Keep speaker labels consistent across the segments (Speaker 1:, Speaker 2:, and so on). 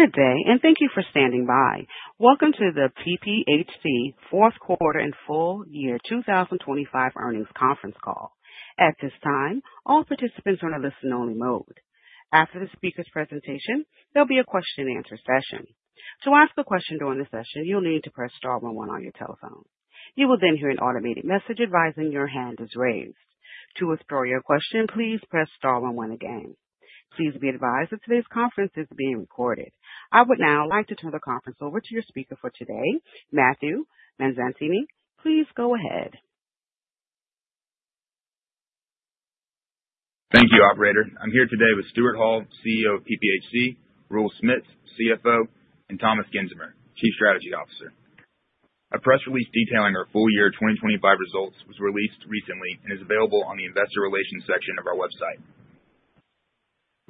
Speaker 1: Good day, and thank you for standing by. Welcome to the PPHC Fourth Quarter and Full Year 2025 Earnings Conference Call. At this time all participants are on a listen only mode after the speaker's presentation, there will be a question and answer session. To ask a question during the session you need to press star one one on your telephone key pad, you will then hear a message advising your hand be raised, to withdraw your question please press star one one again please be advised that this conference is being recorded. I would now like to turn the conference over to your speaker for today, Matthew Mazzanti. Please go ahead.
Speaker 2: Thank you, operator. I'm here today with Stewart Hall, CEO of PPHC, Roel Smits, CFO, and Thomas Gensemer, Chief Strategy Officer. A press release detailing our full year 2025 results was released recently and is available on the investor relations section of our website.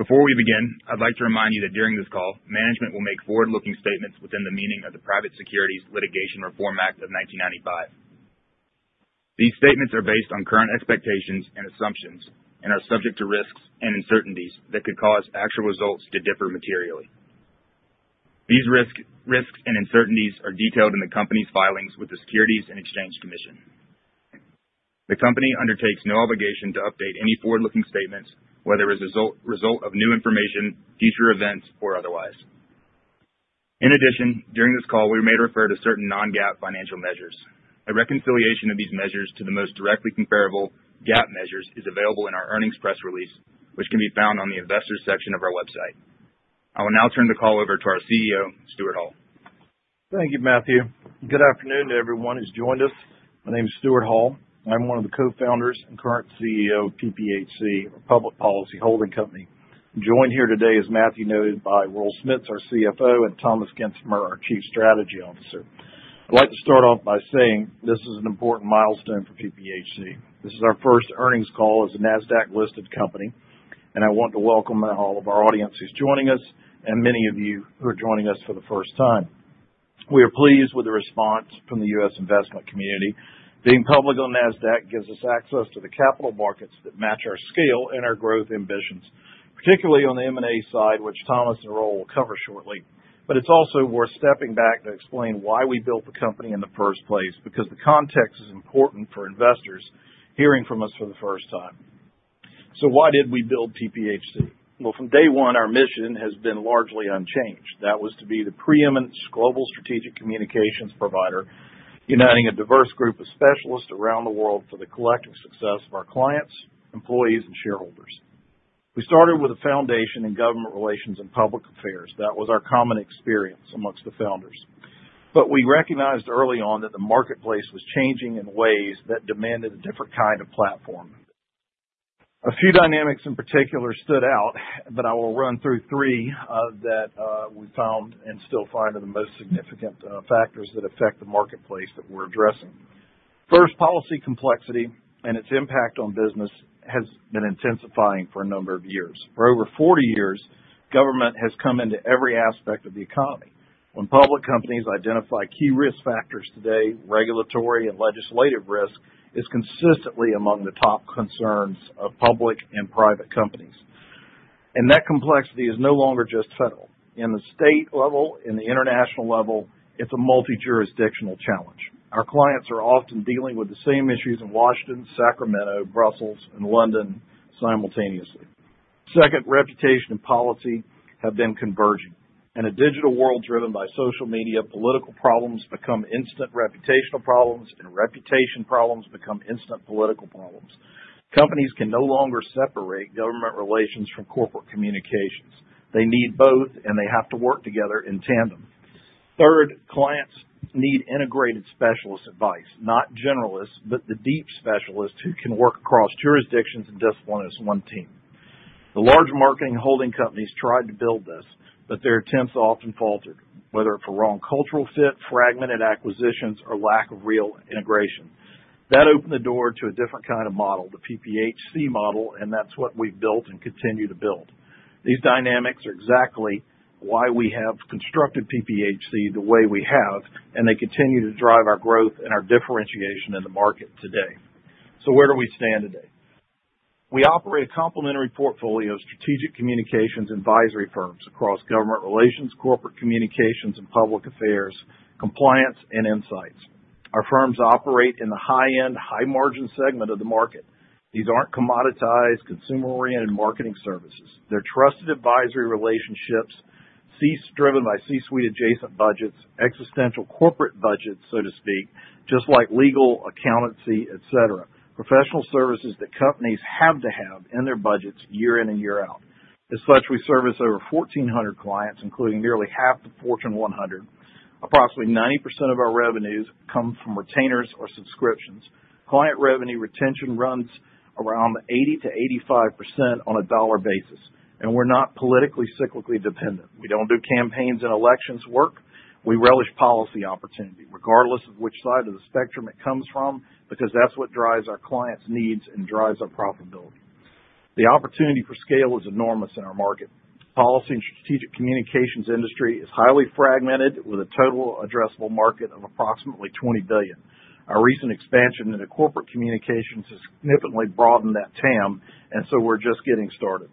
Speaker 2: Before we begin, I'd like to remind you that during this call, management will make forward-looking statements within the meaning of the Private Securities Litigation Reform Act of 1995. These statements are based on current expectations and assumptions and are subject to risks and uncertainties that could cause actual results to differ materially. These risks and uncertainties are detailed in the company's filings with the Securities and Exchange Commission. The company undertakes no obligation to update any forward-looking statements, whether as a result of new information, future events, or otherwise. In addition, during this call, we may refer to certain non-GAAP financial measures. A reconciliation of these measures to the most directly comparable GAAP measures is available in our earnings press release, which can be found on the investors section of our website. I will now turn the call over to our CEO, Stewart Hall.
Speaker 3: Thank you, Matthew. Good afternoon to everyone who's joined us. My name is Stewart Hall. I'm one of the co-founders and current CEO of PPHC, or Public Policy Holding Company. I'm joined here today, as Matthew noted, by Roel Smits, our CFO, and Thomas Gensemer, our Chief Strategy Officer. I'd like to start off by saying this is an important milestone for PPHC. This is our first earnings call as a Nasdaq-listed company, and I want to welcome all of our audience who's joining us and many of you who are joining us for the first time. We are pleased with the response from the U.S. investment community. Being public on Nasdaq gives us access to the capital markets that match our scale and our growth ambitions, particularly on the M&A side, which Thomas and Roel will cover shortly. It's also worth stepping back to explain why we built the company in the first place, because the context is important for investors hearing from us for the first time. Why did we build PPHC? From day one, our mission has been largely unchanged. That was to be the preeminent global strategic communications provider, uniting a diverse group of specialists around the world for the collective success of our clients, employees, and shareholders. We started with a foundation in government relations and public affairs. That was our common experience amongst the founders. We recognized early on that the marketplace was changing in ways that demanded a different kind of platform. A few dynamics in particular stood out, but I will run through three that we found and still find are the most significant factors that affect the marketplace that we're addressing. First, policy complexity and its impact on business has been intensifying for a number of years. For over 40 years, government has come into every aspect of the economy. When public companies identify key risk factors today, regulatory and legislative risk is consistently among the top concerns of public and private companies. That complexity is no longer just federal. In the state level, in the international level, it's a multi-jurisdictional challenge. Our clients are often dealing with the same issues in Washington, Sacramento, Brussels, and London simultaneously. Second, reputation and policy have been converging. In a digital world driven by social media, political problems become instant reputational problems, and reputation problems become instant political problems. Companies can no longer separate government relations from corporate communications. They need both, and they have to work together in tandem. Third, clients need integrated specialist advice, not generalists, but the deep specialists who can work across jurisdictions and disciplines as one team. The large marketing holding companies tried to build this, but their attempts often faltered, whether it be wrong cultural fit, fragmented acquisitions, or lack of real integration. That opened the door to a different kind of model, the PPHC model, and that's what we've built and continue to build. These dynamics are exactly why we have constructed PPHC the way we have, and they continue to drive our growth and our differentiation in the market today. Where do we stand today? We operate a complementary portfolio of strategic communications advisory firms across government relations, corporate communications, and public affairs, compliance, and insights. Our firms operate in the high-end, high-margin segment of the market. These aren't commoditized consumer-oriented marketing services. They're trusted advisory relationships driven by C-suite adjacent budgets, existential corporate budgets, so to speak, just like legal, accountancy, et cetera. Professional services that companies have to have in their budgets year in and year out. As such, we service over 1,400 clients, including nearly half the Fortune 100. Approximately 90% of our revenues come from retainers or subscriptions. Client revenue retention runs around 80%-85% on a dollar basis, and we're not politically cyclically dependent. We don't do campaigns and elections work. We relish policy opportunity regardless of which side of the spectrum it comes from, because that's what drives our clients' needs and drives our profitability. The opportunity for scale is enormous in our market. Policy and strategic communications industry is highly fragmented with a total addressable market of approximately $20 billion. Our recent expansion into corporate communications has significantly broadened that TAM. We're just getting started.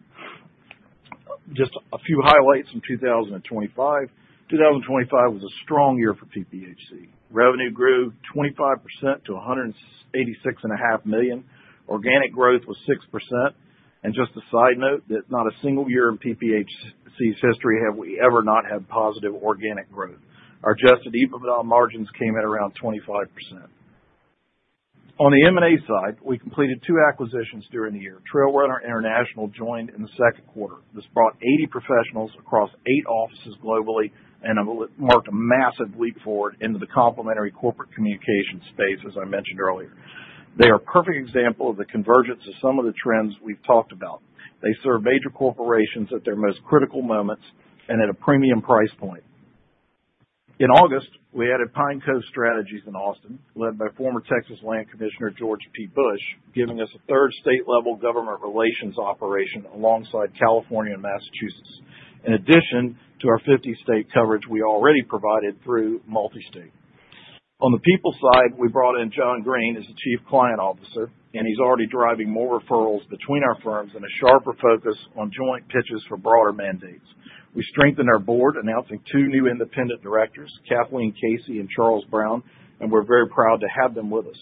Speaker 3: Just a few highlights from 2025. 2025 was a strong year for PPHC. Revenue grew 25% to $186.5 million. Organic growth was 6%. Just a side note, that not a single year in PPHC's history have we ever not had positive organic growth. Our adjusted EBITDA margins came in around 25%. On the M&A side, we completed two acquisitions during the year. TrailRunner International joined in the second quarter. This brought 80 professionals across eight offices globally and marked a massive leap forward into the complementary corporate communications space, as I mentioned earlier. They're a perfect example of the convergence of some of the trends we've talked about. They serve major corporations at their most critical moments and at a premium price point. In August, we added Pine Cove Strategies in Austin, led by former Texas Land Commissioner George P. Bush, giving us a third state-level government relations operation alongside California and Massachusetts, in addition to our 50-state coverage we already provided through MultiState. On the people side, we brought in John Green as the Chief Client Officer. He's already driving more referrals between our firms and a sharper focus on joint pitches for broader mandates. We strengthened our board, announcing two new independent directors, Kathleen Casey and Charles D. Brown. We're very proud to have them with us.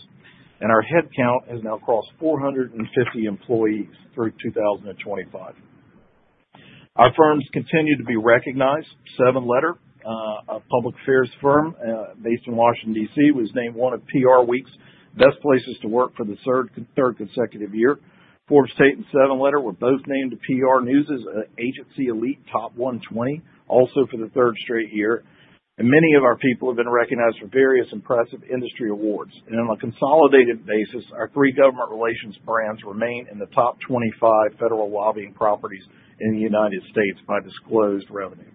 Speaker 3: Our headcount is now across 450 employees through 2025. Our firms continue to be recognized. Seven Letter, a public affairs firm based in Washington, D.C., was named one of PRWeek's Best Places to Work for the third consecutive year. Forbes Tate and Seven Letter were both named the PR News' Agency Elite Top 120, also for the third straight year. Many of our people have been recognized for various impressive industry awards. On a consolidated basis, our three government relations brands remain in the top 25 federal lobbying properties in the U.S. by disclosed revenue.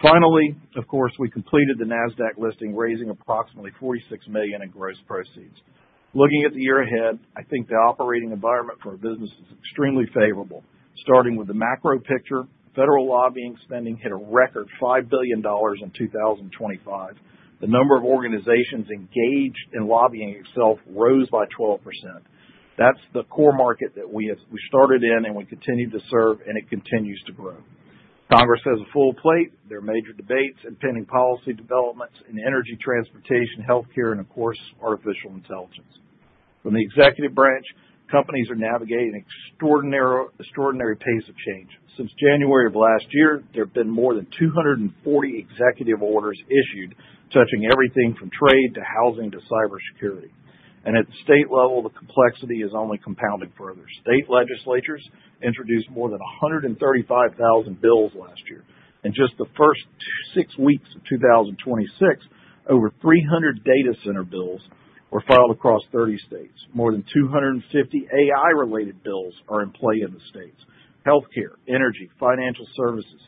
Speaker 3: Finally, of course, we completed the Nasdaq listing, raising approximately $46 million in gross proceeds. Looking at the year ahead, I think the operating environment for our business is extremely favorable. Starting with the macro picture, federal lobbying spending hit a record $5 billion in 2025. The number of organizations engaged in lobbying itself rose by 12%. That's the core market that we started in, and we continue to serve, and it continues to grow. Congress has a full plate. There are major debates and pending policy developments in energy, transportation, healthcare, and of course, artificial intelligence. From the executive branch, companies are navigating extraordinary pace of change. Since January of last year, there have been more than 240 executive orders issued, touching everything from trade to housing to cybersecurity. At the state level, the complexity is only compounded further. State legislatures introduced more than 135,000 bills last year. In just the first six weeks of 2026, over 300 data center bills were filed across 30 states. More than 250 AI-related bills are in play in the states. Healthcare, energy, financial services,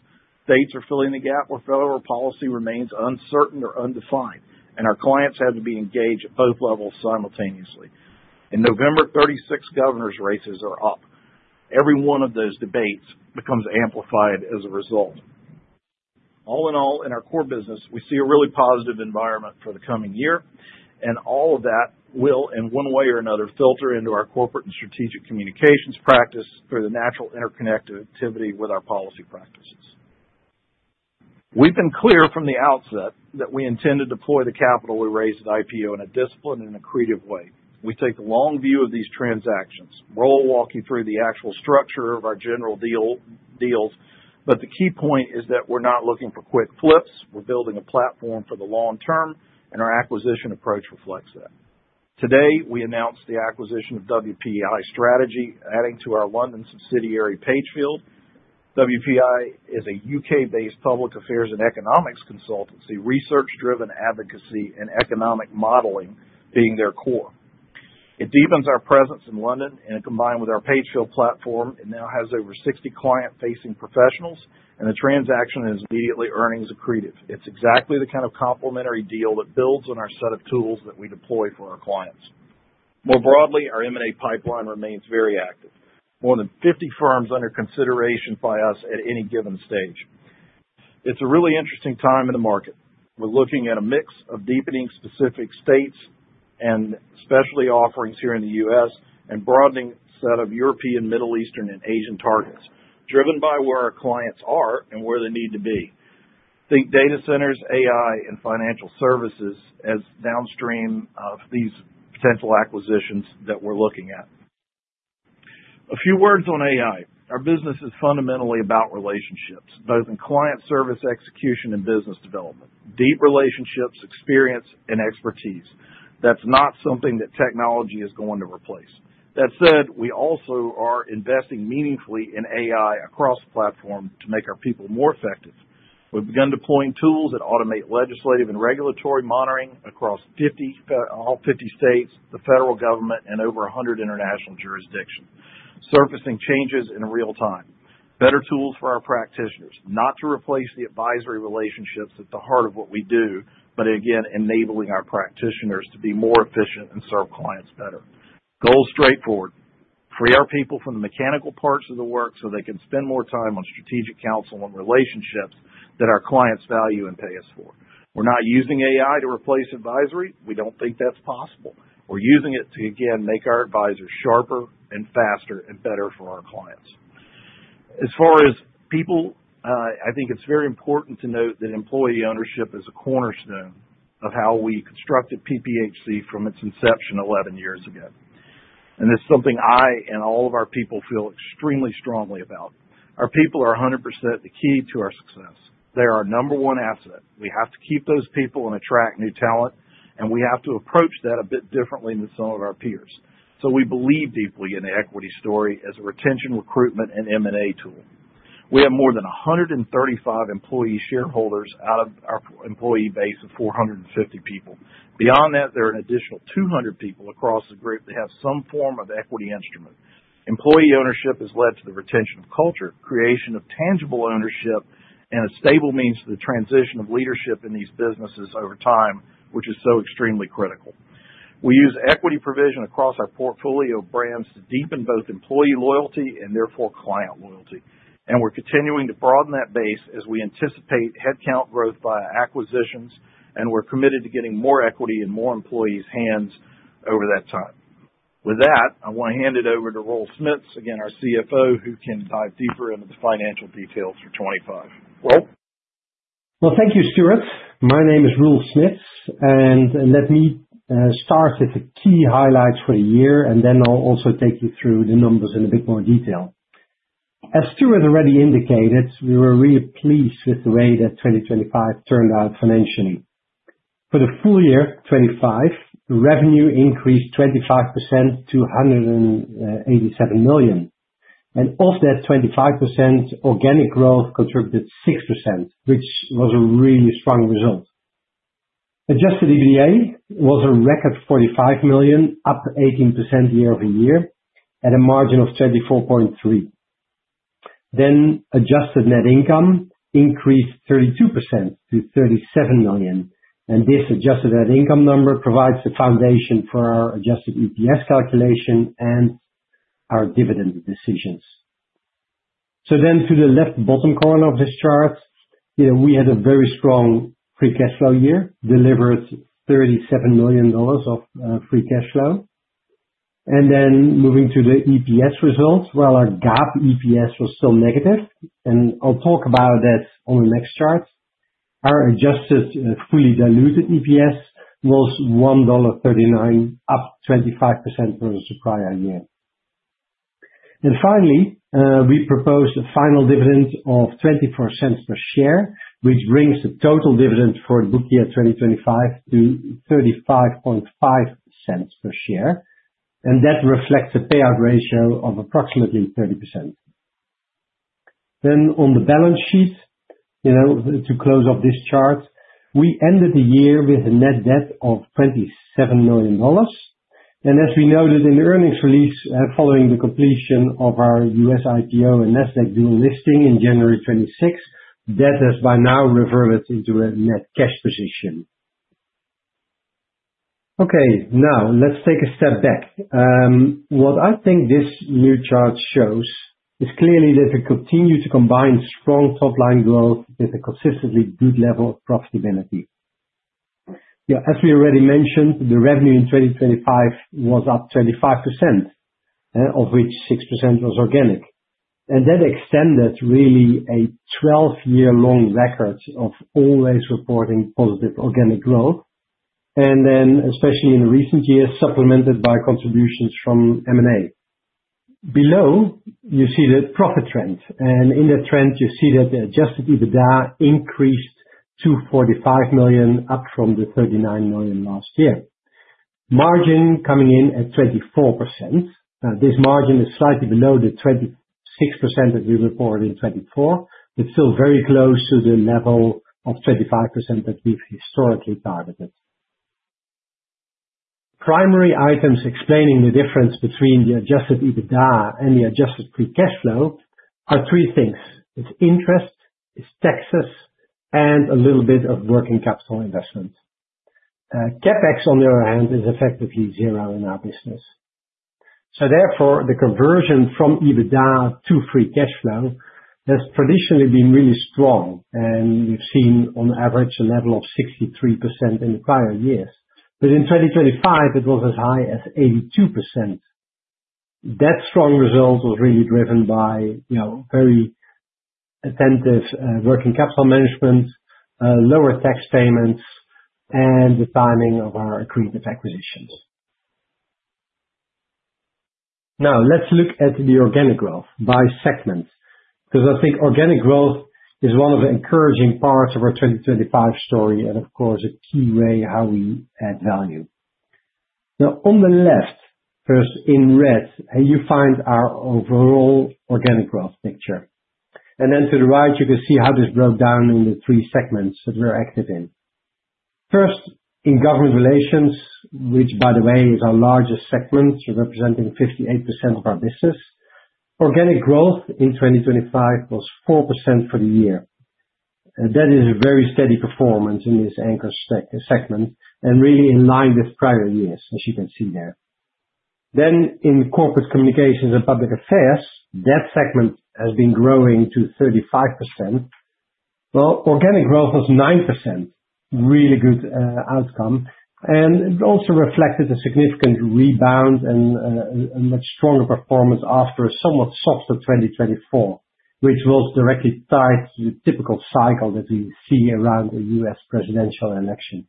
Speaker 3: states are filling the gap where federal policy remains uncertain or undefined, and our clients have to be engaged at both levels simultaneously. In November, 36 governors' races are up. Every one of those debates becomes amplified as a result. All in all, in our core business, we see a really positive environment for the coming year, and all of that will, in one way or another, filter into our corporate and strategic communications practice through the natural interconnectivity with our policy practices. We've been clear from the outset that we intend to deploy the capital we raised at IPO in a disciplined and accretive way. We take a long view of these transactions. Roel walking through the actual structure of our general deals, but the key point is that we're not looking for quick flips. We're building a platform for the long term, and our acquisition approach reflects that. Today, we announced the acquisition of WPI Strategy, adding to our London subsidiary, Pagefield. WPI is a U.K.-based public affairs and economics consultancy, research-driven advocacy and economic modeling being their core. It deepens our presence in London, and combined with our Pagefield platform, it now has over 60 client-facing professionals, and the transaction is immediately earnings accretive. It's exactly the kind of complementary deal that builds on our set of tools that we deploy for our clients. More broadly, our M&A pipeline remains very active. More than 50 firms under consideration by us at any given stage. It's a really interesting time in the market. We're looking at a mix of deepening specific states and specialty offerings here in the U.S. and broadening set of European, Middle Eastern, and Asian targets, driven by where our clients are and where they need to be. Think data centers, AI, and financial services as downstream of these potential acquisitions that we're looking at. A few words on AI. Our business is fundamentally about relationships, both in client service execution and business development. Deep relationships, experience, and expertise. That's not something that technology is going to replace. We also are investing meaningfully in AI across the platform to make our people more effective. We've begun deploying tools that automate legislative and regulatory monitoring across all 50 states, the federal government, and over 100 international jurisdictions, surfacing changes in real time. Better tools for our practitioners, not to replace the advisory relationships at the heart of what we do, but again, enabling our practitioners to be more efficient and serve clients better. Goal straightforward. Free our people from the mechanical parts of the work so they can spend more time on strategic counsel and relationships that our clients value and pay us for. We're not using AI to replace advisory. We don't think that's possible. We're using it to, again, make our advisors sharper and faster and better for our clients. As far as people, I think it's very important to note that employee ownership is a cornerstone of how we constructed PPHC from its inception 11 years ago. It's something I and all of our people feel extremely strongly about. Our people are 100% the key to our success. They're our number one asset. We have to keep those people and attract new talent, and we have to approach that a bit differently than some of our peers. We believe deeply in the equity story as a retention, recruitment, and M&A tool. We have more than 135 employee shareholders out of our employee base of 450 people. Beyond that, there are an additional 200 people across the group that have some form of equity instrument. Employee ownership has led to the retention of culture, creation of tangible ownership, and a stable means for the transition of leadership in these businesses over time, which is so extremely critical. We use equity provision across our portfolio of brands to deepen both employee loyalty and therefore client loyalty. We're continuing to broaden that base as we anticipate headcount growth via acquisitions, and we're committed to getting more equity in more employees' hands over that time. With that, I want to hand it over to Roel Smits, again, our CFO, who can dive deeper into the financial details for 2025. Roel?
Speaker 4: Thank you, Stewart. My name is Roel Smits, let me start with the key highlights for a year, then I'll also take you through the numbers in a bit more detail. As Stewart already indicated, we were really pleased with the way that 2025 turned out financially. For the FY 2025, revenue increased 25% to $187 million. Of that 25%, organic growth contributed 6%, which was a really strong result. Adjusted EBITDA was a record $45 million, up 18% year-over-year at a margin of 34.3%. Adjusted net income increased 32% to $37 million. This adjusted net income number provides the foundation for our adjusted EPS calculation and our dividend decisions. To the left bottom corner of this chart, we had a very strong free cash flow year, delivered $37 million of free cash flow. Moving to the EPS results, while our GAAP EPS was still negative, I'll talk about that on the next chart, our adjusted and fully diluted EPS was $1.39, up 25% from the prior year. We proposed a final dividend of $0.24 per share, which brings the total dividend for the full year 2025 to $0.355 per share, and that reflects a payout ratio of approximately 30%. On the balance sheet, to close off this chart, we ended the year with a net debt of $27 million. As we noted in the earnings release following the completion of our U.S. IPO and Nasdaq dual listing in January 2026, debt has by now reverted into a net cash position. Okay, now let's take a step back. What I think this new chart shows is clearly that we continue to combine strong top-line growth with a consistently good level of profitability. As we already mentioned, the revenue in 2025 was up 25%, of which 6% was organic. That extended really a 12-year-long record of always reporting positive organic growth, especially in recent years, supplemented by contributions from M&A. Below, you see the profit trend, in that trend, you see that the adjusted EBITDA increased to $45 million, up from the $39 million last year. Margin coming in at 24%. This margin is slightly below the 26% that we reported in 2024, still very close to the level of 35% that we've historically targeted. Primary items explaining the difference between the adjusted EBITDA and the adjusted free cash flow are three things. It's interest, it's taxes, and a little bit of working capital investment. CapEx, on the other hand, is effectively zero in our business. Therefore, the conversion from EBITDA to free cash flow has traditionally been really strong, and we've seen on average a level of 63% in prior years. In 2025, it was as high as 82%. That strong result was really driven by very attentive working capital management, lower tax payments, and the timing of our accretive acquisitions. Let's look at the organic growth by segment, because I think organic growth is one of the encouraging parts of our 2025 story and, of course, a key way how we add value. On the left, first in red, you find our overall organic growth picture. To the right, you can see how this broke down in the three segments that we're active in. First, in government relations, which by the way, is our largest segment, so representing 58% of our business, organic growth in 2025 was 4% for the year. That is a very steady performance in this anchor segment and really in line with prior years, as you can see there. In Corporate Communications and Public Affairs, that segment has been growing to 35%. Well, organic growth was 9%, really good outcome, and it also reflected a significant rebound and a much stronger performance after a somewhat softer 2024, which was directly tied to the typical cycle that we see around the U.S. presidential election.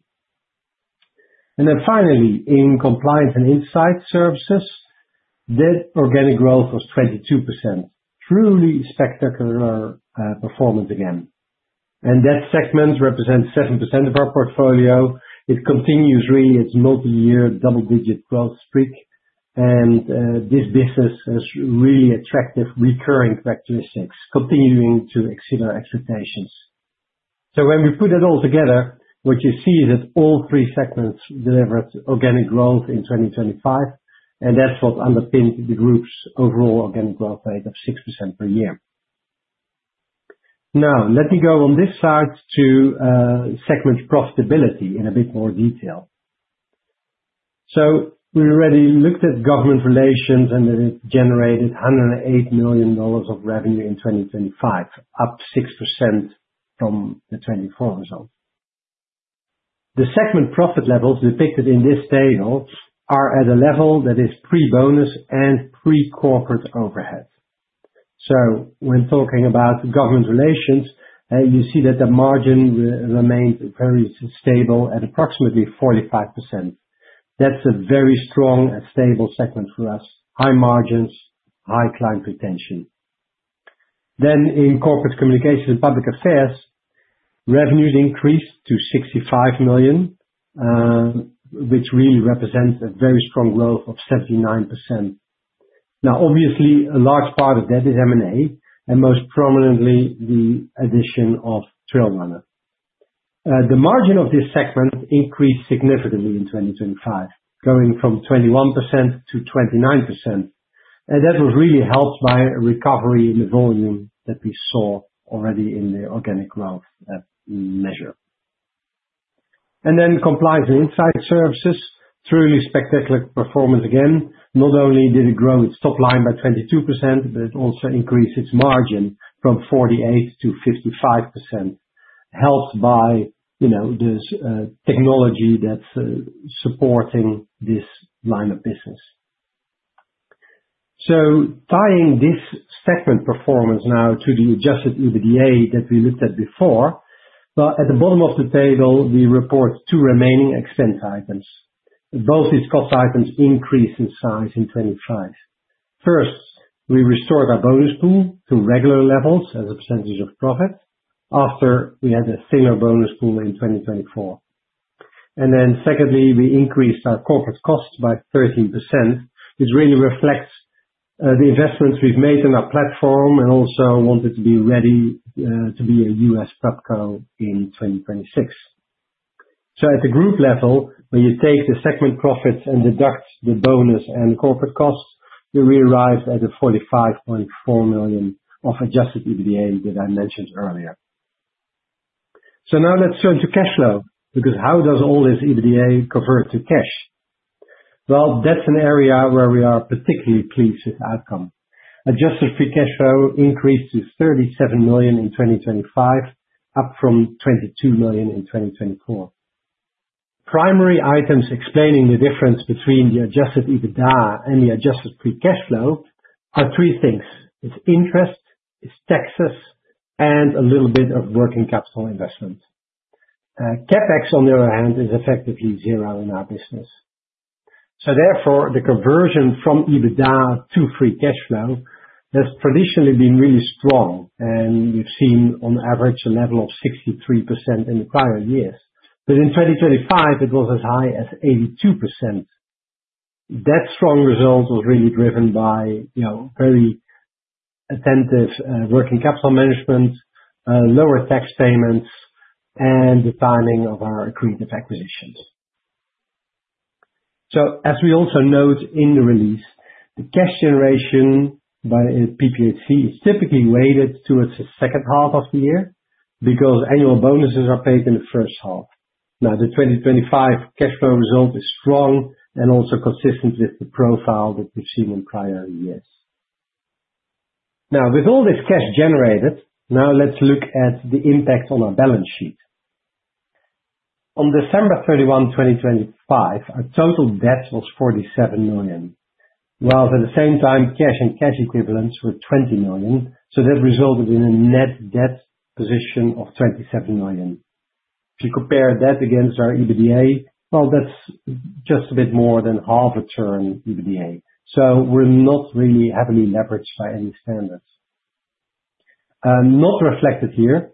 Speaker 4: Finally, in Compliance and Insight Services, net organic growth was 22%, truly spectacular performance again. That segment represents 7% of our portfolio. It continues really its multi-year double-digit growth streak, and this business has really attractive recurring characteristics, continuing to exceed our expectations. When we put it all together, what you see is that all three segments delivered organic growth in 2025, and that's what underpins the group's overall organic growth rate of 6% per year. Let me go on this side to segment profitability in a bit more detail. We already looked at government relations and that it generated $108 million of revenue in 2025, up 6% from the 2024 result. The segment profit levels depicted in this table are at a level that is pre-bonus and pre-corporate overhead. When talking about government relations, you see that the margin remains very stable at approximately 45%. That's a very strong and stable segment for us, high margins, high client retention. In corporate communications and public affairs, revenues increased to $65 million, which really represents a very strong growth of 79%. Obviously, a large part of that is M&A and most prominently the addition of TrailRunner. The margin of this segment increased significantly in 2025, going from 21%-29%, and that was really helped by a recovery in the volume that we saw already in the organic growth measure. Then compliance and insight services, truly spectacular performance again. Not only did it grow its top line by 22%, but it also increased its margin from 48%-55%, helped by this technology that's supporting this line of business. Tying this segment performance now to the adjusted EBITDA that we looked at before. At the bottom of the table, we report two remaining expense items. Both these cost items increased in size in 2025. First, we restored our bonus pool to regular levels as a percentage of profit after we had a thinner bonus pool in 2024. Secondly, we increased our corporate costs by 13%, which really reflects the investments we've made in our platform and also wanted to be ready to be a U.S. pub co in 2026. At the group level, when you take the segment profits and deduct the bonus and corporate costs, you arrive at the $45.4 million of adjusted EBITDA that I mentioned earlier. Now let's turn to cash flow, because how does all this EBITDA convert to cash? That's an area where we are particularly pleased with the outcome. Adjusted free cash flow increased to $37 million in 2025, up from $22 million in 2024. Primary items explaining the difference between the adjusted EBITDA and the adjusted free cash flow are three things. It's interest, it's taxes, and a little bit of working capital investment. CapEx, on the other hand, is effectively zero in our business. Therefore, the conversion from EBITDA to free cash flow has traditionally been really strong, and we've seen on average a level of 63% in prior years. In 2025, it was as high as 82%. That strong result was really driven by very attentive working capital management, lower tax payments, and the timing of our accretive acquisitions. As we also note in the release, the cash generation by PPHC is typically weighted towards the second half of the year because annual bonuses are paid in the first half. The 2025 cash flow result is strong and also consistent with the profile that we've seen in prior years. With all this cash generated, let's look at the impact on our balance sheet. On December 31, 2025, our total debt was $47 million. At the same time, cash and cash equivalents were $20 million, that resulted in a net debt position of $27 million. If you compare that against our EBITDA, well, that's just a bit more than half a turn EBITDA. We're not really heavily leveraged by any standards. Not reflected here,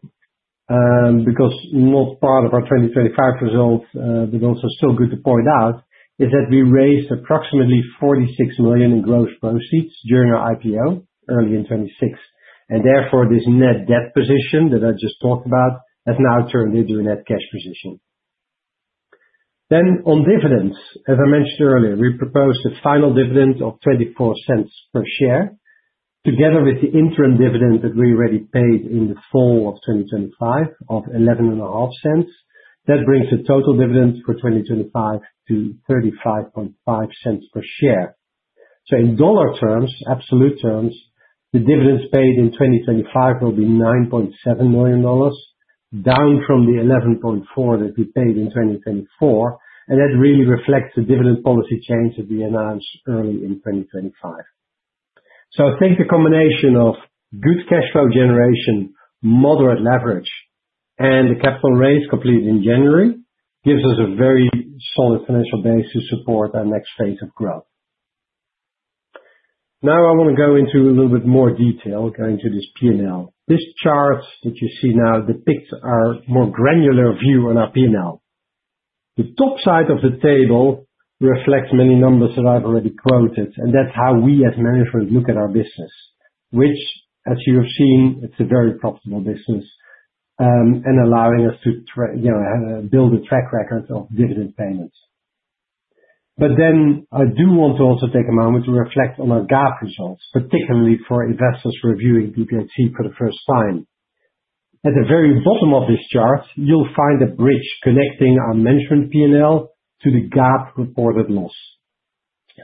Speaker 4: because not part of our 2025 results, but also still good to point out is that we raised approximately $46 million in gross proceeds during our IPO early in 2026, this net debt position that I just talked about has now turned into a net cash position. On dividends, as I mentioned earlier, we proposed a final dividend of $0.24 per share. Together with the interim dividend that we already paid in the fall of 2025 of $0.115, that brings the total dividends for 2025 to $0.355 per share. In dollar terms, absolute terms, the dividends paid in 2025 will be $9.7 million, down from the $11.4 million that we paid in 2024, and that really reflects the dividend policy change that we announced early in 2025. I think a combination of good cash flow generation, moderate leverage, and the capital raise completed in January gives us a very solid financial base to support our next phase of growth. I want to go into a little bit more detail going to this P&L. This chart that you see now depicts our more granular view on our P&L. The top side of the table reflects many numbers that I've already quoted, and that's how we as management look at our business, which as you have seen, it's a very profitable business, and allowing us to build a track record of dividend payments. I do want to also take a moment to reflect on our GAAP results, particularly for investors reviewing PPHC for the first time. At the very bottom of this chart, you'll find a bridge connecting our management P&L to the GAAP reported loss.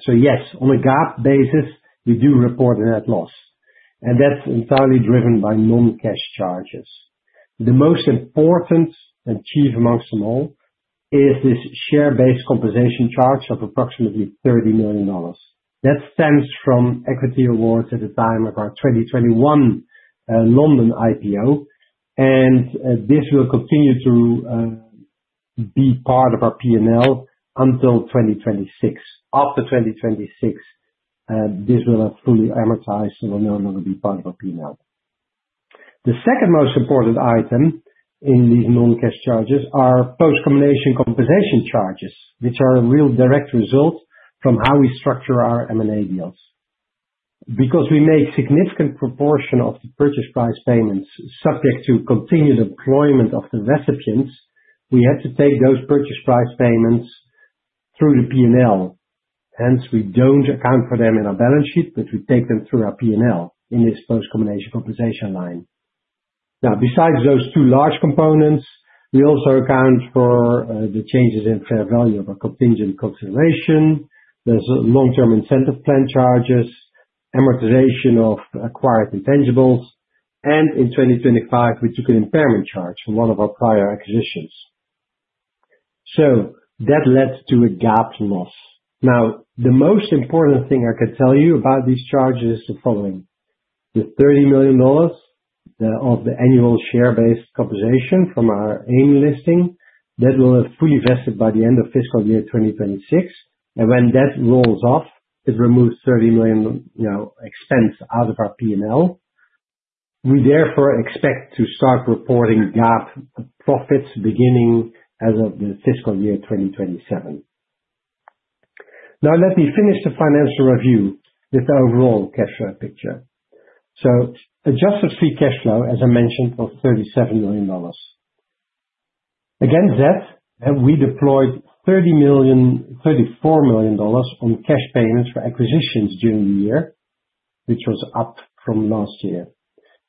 Speaker 4: Yes, on a GAAP basis, we do report a net loss, and that's entirely driven by non-cash charges. The most important, and chief amongst them all, is this share-based compensation charge of approximately $30 million. That stems from equity awards at the time of our 2021 London IPO, and this will continue to be part of our P&L until 2026. After 2026, this will have fully amortized, so it will no longer be part of our P&L. The second most important item in these non-cash charges are post-combination compensation charges, which are a real direct result from how we structure our M&A deals. We made significant proportion of the purchase price payments subject to continued employment of the recipients, we had to take those purchase price payments through the P&L. Hence, we don't account for them in our balance sheet, but we take them through our P&L in this post-combination compensation line. Besides those two large components, we also account for the changes in fair value of our contingent consideration. There's Long-Term Incentive Plan charges, amortization of acquired intangibles, and in 2025, we took an impairment charge from one of our prior acquisitions. That led to a GAAP loss. The most important thing I can tell you about these charges is the following. The $30 million of the annual share-based compensation from our AIM listing, that will have fully vested by the end of fiscal year 2026, when that rolls off, it removes $30 million expense out of our P&L. We therefore expect to start reporting GAAP profits beginning as of the fiscal year 2027. Let me finish the financial review with the overall cash flow picture. Adjusted free cash flow, as I mentioned, of $37 million. Against that, we deployed $34 million from cash payments for acquisitions during the year, which was up from last year.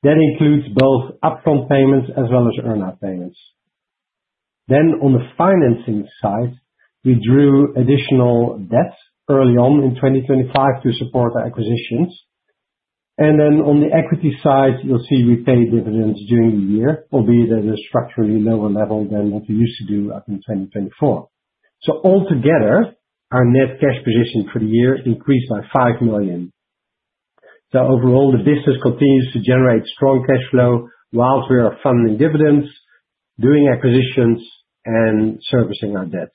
Speaker 4: That includes both upfront payments as well as earn out payments. On the financing side, we drew additional debt early on in 2025 to support our acquisitions. Then on the equity side, you'll see we paid dividends during the year, albeit at a structurally lower level than what we used to do up until 2024. Altogether, our net cash position for the year increased by $5 million. Overall, the business continues to generate strong cash flow whilst we are funding dividends, doing acquisitions, and servicing our debt.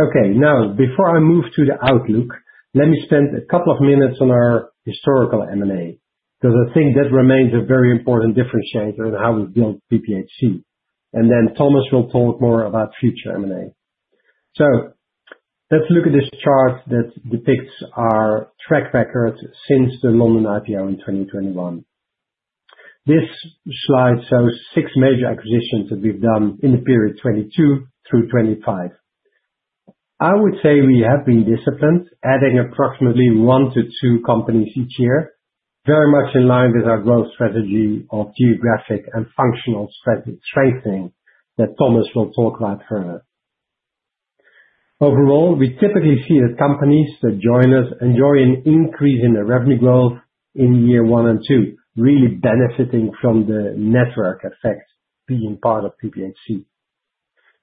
Speaker 4: Okay. Before I move to the outlook, let me spend a couple of minutes on our historical M&A, because I think that remains a very important differentiator in how we've built PPHC, and then Thomas will talk more about future M&A. Let's look at this chart that depicts our track record since the London IPO in 2021. This slide shows six major acquisitions that we've done in the period 2022 through 2025. I would say we have been disciplined, adding approximately one to two companies each year, very much in line with our growth strategy of geographic and functional strategic sourcing that Thomas will talk about further. Overall, we typically see the companies that join us enjoy an increase in their revenue growth in year one and two, really benefiting from the network effect being part of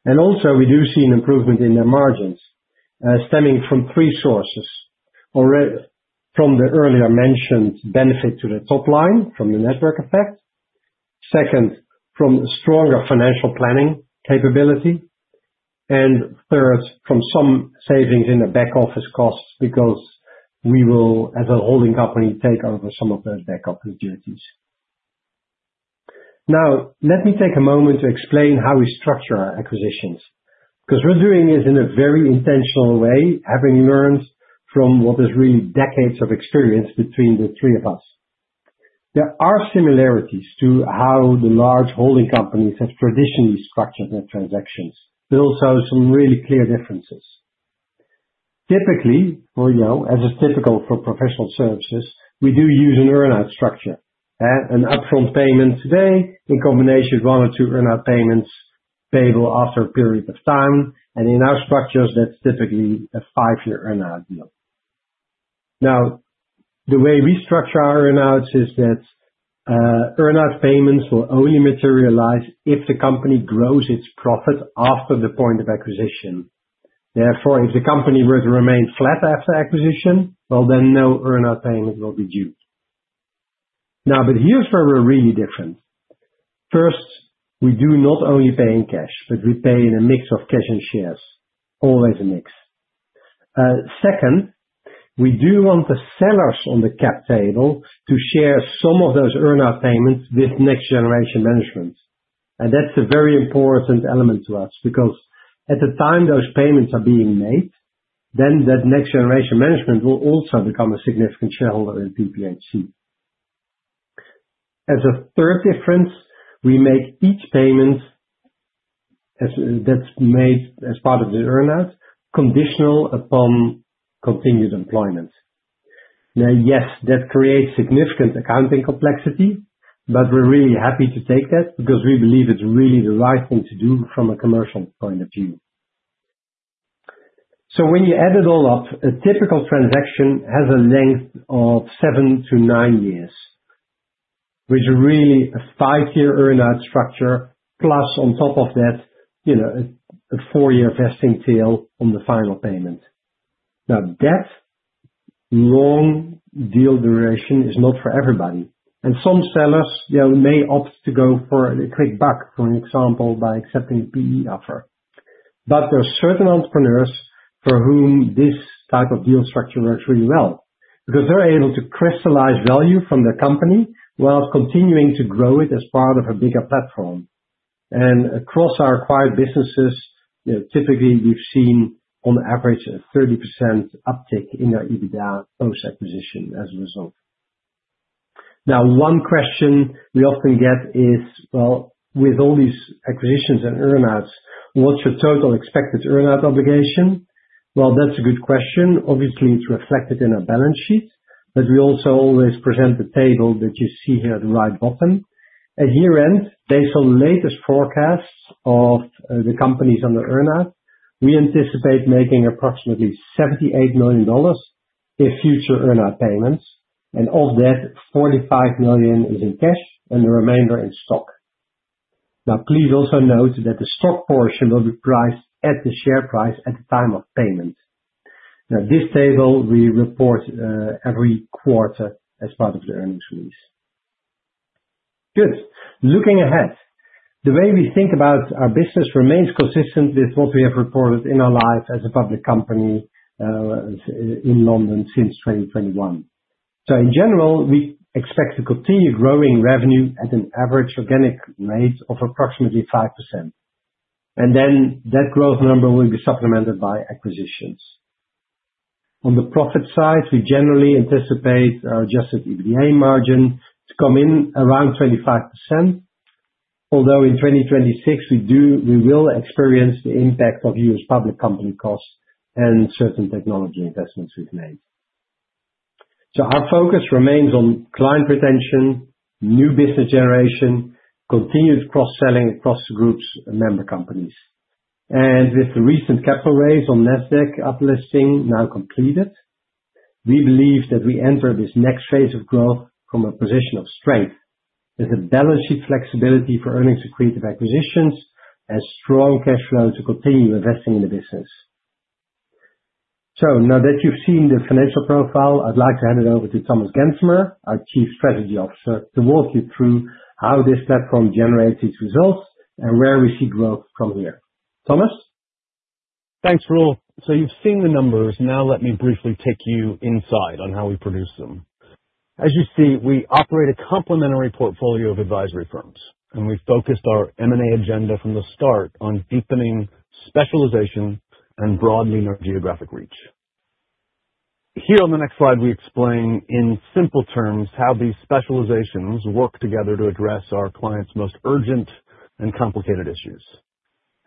Speaker 4: PPHC. Also we do see an improvement in their margins stemming from three sources. From the earlier mentioned benefit to the top line from the network effect. Second, from stronger financial planning capability. Third, from some savings in the back office costs because we will, as a holding company, take over some of those back office duties. Let me take a moment to explain how we structure our acquisitions, because we're doing it in a very intentional way, having learned from what is really decades of experience between the three of us. There are similarities to how the large holding companies have traditionally structured their transactions. Also some really clear differences. Typically, as is typical for professional services, we do use an earn-out structure. An upfront payment today in combination with one or two earn-out payments payable after a period of time. In our structures, that's typically a five-year earn-out deal. The way we structure our earn-outs is that earn-out payments will only materialize if the company grows its profit after the point of acquisition. Therefore, if the company were to remain flat after acquisition, well then no earn-out payment will be due. Here's where we're really different. First, we do not only pay in cash, but we pay in a mix of cash and shares. Always a mix. Second, we do want the sellers on the cap table to share some of those earn-out payments with next generation management. That's a very important element to us because at the time those payments are being made, then that next generation management will also become a significant shareholder in PPHC. As a third difference, we make each payment that's made as part of the earn-out conditional upon continued employment. Yes, that creates significant accounting complexity, but we're really happy to take that because we believe it's really the right thing to do from a commercial point of view. When you add it all up, a typical transaction has a length of seven-nine years, with really a five-year earn-out structure plus on top of that, a four-year vesting tail on the final payment. That long deal duration is not for everybody, and some sellers may opt to go for a quick buck, for example, by accepting a PE offer. There are certain entrepreneurs for whom this type of deal structure works really well because they're able to crystallize value from their company while continuing to grow it as part of a bigger platform. Across our acquired businesses, typically we've seen on average a 30% uptick in their EBITDA post-acquisition as a result. One question we often get is, well, with all these acquisitions and earn-outs, what's your total expected earn-out obligation? Well, that's a good question. We need to reflect it in our balance sheet. We also always present the table that you see here at the right bottom. At year-end, based on latest forecasts of the companies under earn-out, we anticipate making approximately $78 million in future earn-out payments. Of that, $45 million is in cash and the remainder in stock. Please also note that the stock portion will be priced at the share price at the time of payment. This table we report every quarter as part of the earnings release. Good. Looking ahead, the way we think about our business remains consistent with what we have reported in our life as a public company in London since 2021. In general, we expect to continue growing revenue at an average organic rate of approximately 5%. That growth number will be supplemented by acquisitions. On the profit side, we generally anticipate our adjusted EBITDA margin to come in around 25%. Although in 2026, we will experience the impact of U.S. public company costs and certain technology investments we've made. Our focus remains on client retention, new business generation, continued cross-selling across the group's member companies. With the recent capital raise on Nasdaq uplisting now completed, we believe that we enter this next phase of growth from a position of strength with a balance sheet flexibility for earnings accretive acquisitions and strong cash flow to continue investing in the business. Now that you've seen the financial profile, I'd like to hand it over to Thomas Gensemer, our Chief Strategy Officer, to walk you through how this platform generates its results and where we see growth from here. Thomas?
Speaker 5: Thanks, Roel. You've seen the numbers. Now let me briefly take you inside on how we produce them. As you see, we operate a complementary portfolio of advisory firms, and we focused our M&A agenda from the start on deepening specialization and broadening our geographic reach. Here on the next slide, we explain in simple terms how these specializations work together to address our clients' most urgent and complicated issues.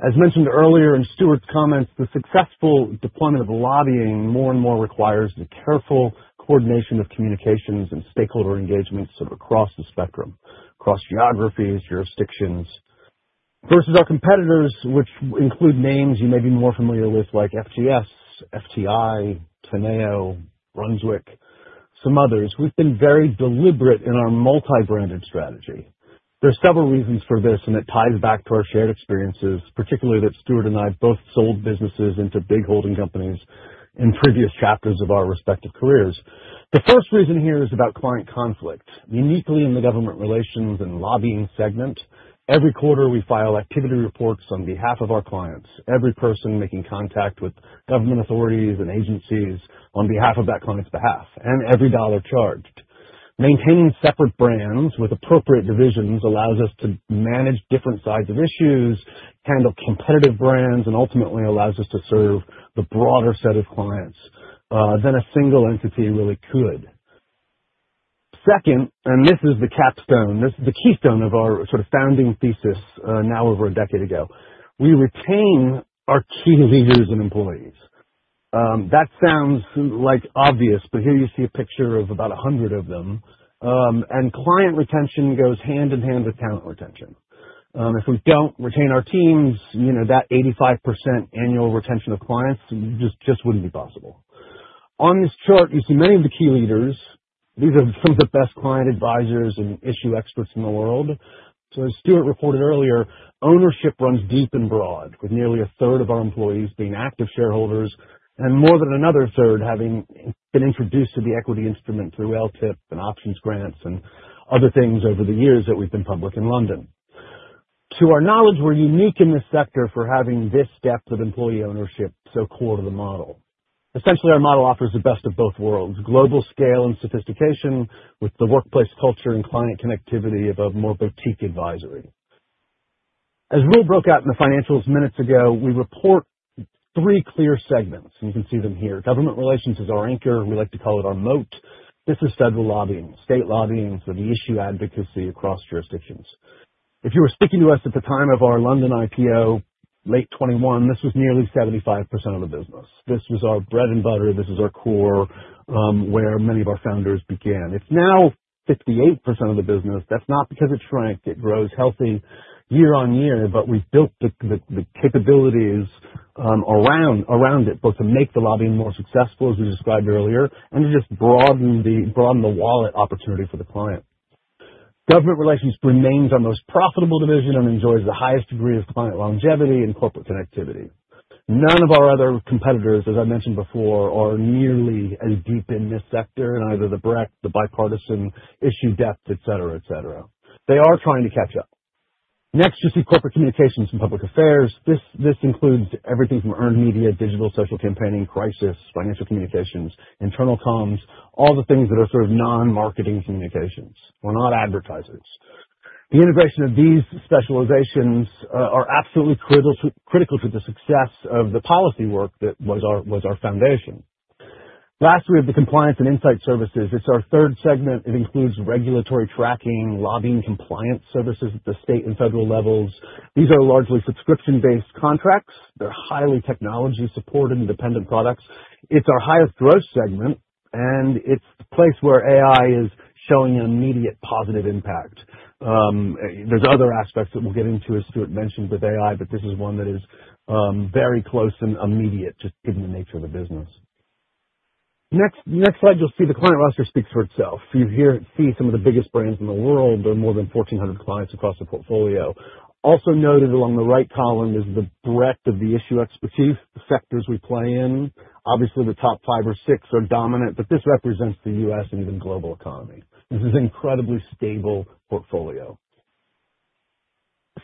Speaker 5: As mentioned earlier in Stewart's comments, the successful deployment of a lobbying more and more requires the careful coordination of communications and stakeholder engagements from across the spectrum, across geographies, jurisdictions. Versus our competitors, which include names you may be more familiar with, like FGS, FTI, Teneo, Brunswick, some others. We've been very deliberate in our multi-branded strategy. There's several reasons for this, and it ties back to our shared experiences, particularly that Stewart and I both sold businesses into big holding companies in previous chapters of our respective careers. The first reason here is about client conflict. Uniquely in the government relations and lobbying segment, every quarter we file activity reports on behalf of our clients. Every person making contact with government authorities and agencies on behalf of that client's behalf, and every dollar charged. Maintaining separate brands with appropriate divisions allows us to manage different sides of issues, handle competitive brands, and ultimately allows us to serve the broader set of clients than a single entity really could. Second, and this is the capstone, the keystone of our founding thesis now over a decade ago, we retain our key leaders and employees. That sounds obvious, but here you see a picture of about 100 of them. Client retention goes hand-in-hand with talent retention. If we don't retain our teams, that 85% annual retention of clients just wouldn't be possible. On this chart, you see many of the key leaders. These are some of the best client advisors and issue experts in the world. As Stewart reported earlier, ownership runs deep and broad, with nearly a third of our employees being active shareholders and more than another third having been introduced to the equity instrument through LTIPs and options grants and other things over the years that we've been public in London. To our knowledge, we're unique in this sector for having this depth of employee ownership so core to the model. Essentially, our model offers the best of both worlds, global scale and sophistication with the workplace culture and client connectivity of a more boutique advisory. As Roel broke out in the financials minutes ago, we report three clear segments, and you can see them here. Government relations is our anchor. We like to call it our moat. This is federal lobbying, state lobbying, so the issue advocacy across jurisdictions. If you were speaking to us at the time of our London IPO, late 2021, this was nearly 75% of the business. This was our bread and butter. This was our core, where many of our founders began. It's now 58% of the business. That's not because it's shrunk. It grows healthy year on year, but we've built the capabilities around it, both to make the lobbying more successful, as we described earlier, and to just broaden the wallet opportunity for the client. Government relations remains our most profitable division and enjoys the highest degree of client longevity and corporate connectivity. None of our other competitors, as I mentioned before, are nearly as deep in this sector, neither the breadth, the bipartisan issue depth, et cetera. They are trying to catch up. Next, you see corporate communications and public affairs. This includes everything from earned media, digital social campaigning, crisis, financial communications, internal comms, all the things that are non-marketing communications. We're not advertisers. The integration of these specializations are absolutely critical to the success of the policy work that was our foundation. Last, we have the compliance and insight services. It's our third segment. It includes regulatory tracking, lobbying compliance services at the state and federal levels. These are largely subscription-based contracts. They're highly technology-supported, independent products. It's our highest growth segment, and it's the place where AI is showing an immediate positive impact. There's other aspects that we'll get into, as Stewart mentioned, with AI, but this is one that is very close and immediate, just given the nature of the business. Next slide, you'll see the client roster speaks for itself. You see some of the biggest brands in the world. There are more than 1,400 clients across the portfolio. Also noted along the right column is the breadth of the issue expertise, the sectors we play in. Obviously, the top five or six are dominant, but this represents the U.S. and even global economy. This is an incredibly stable portfolio.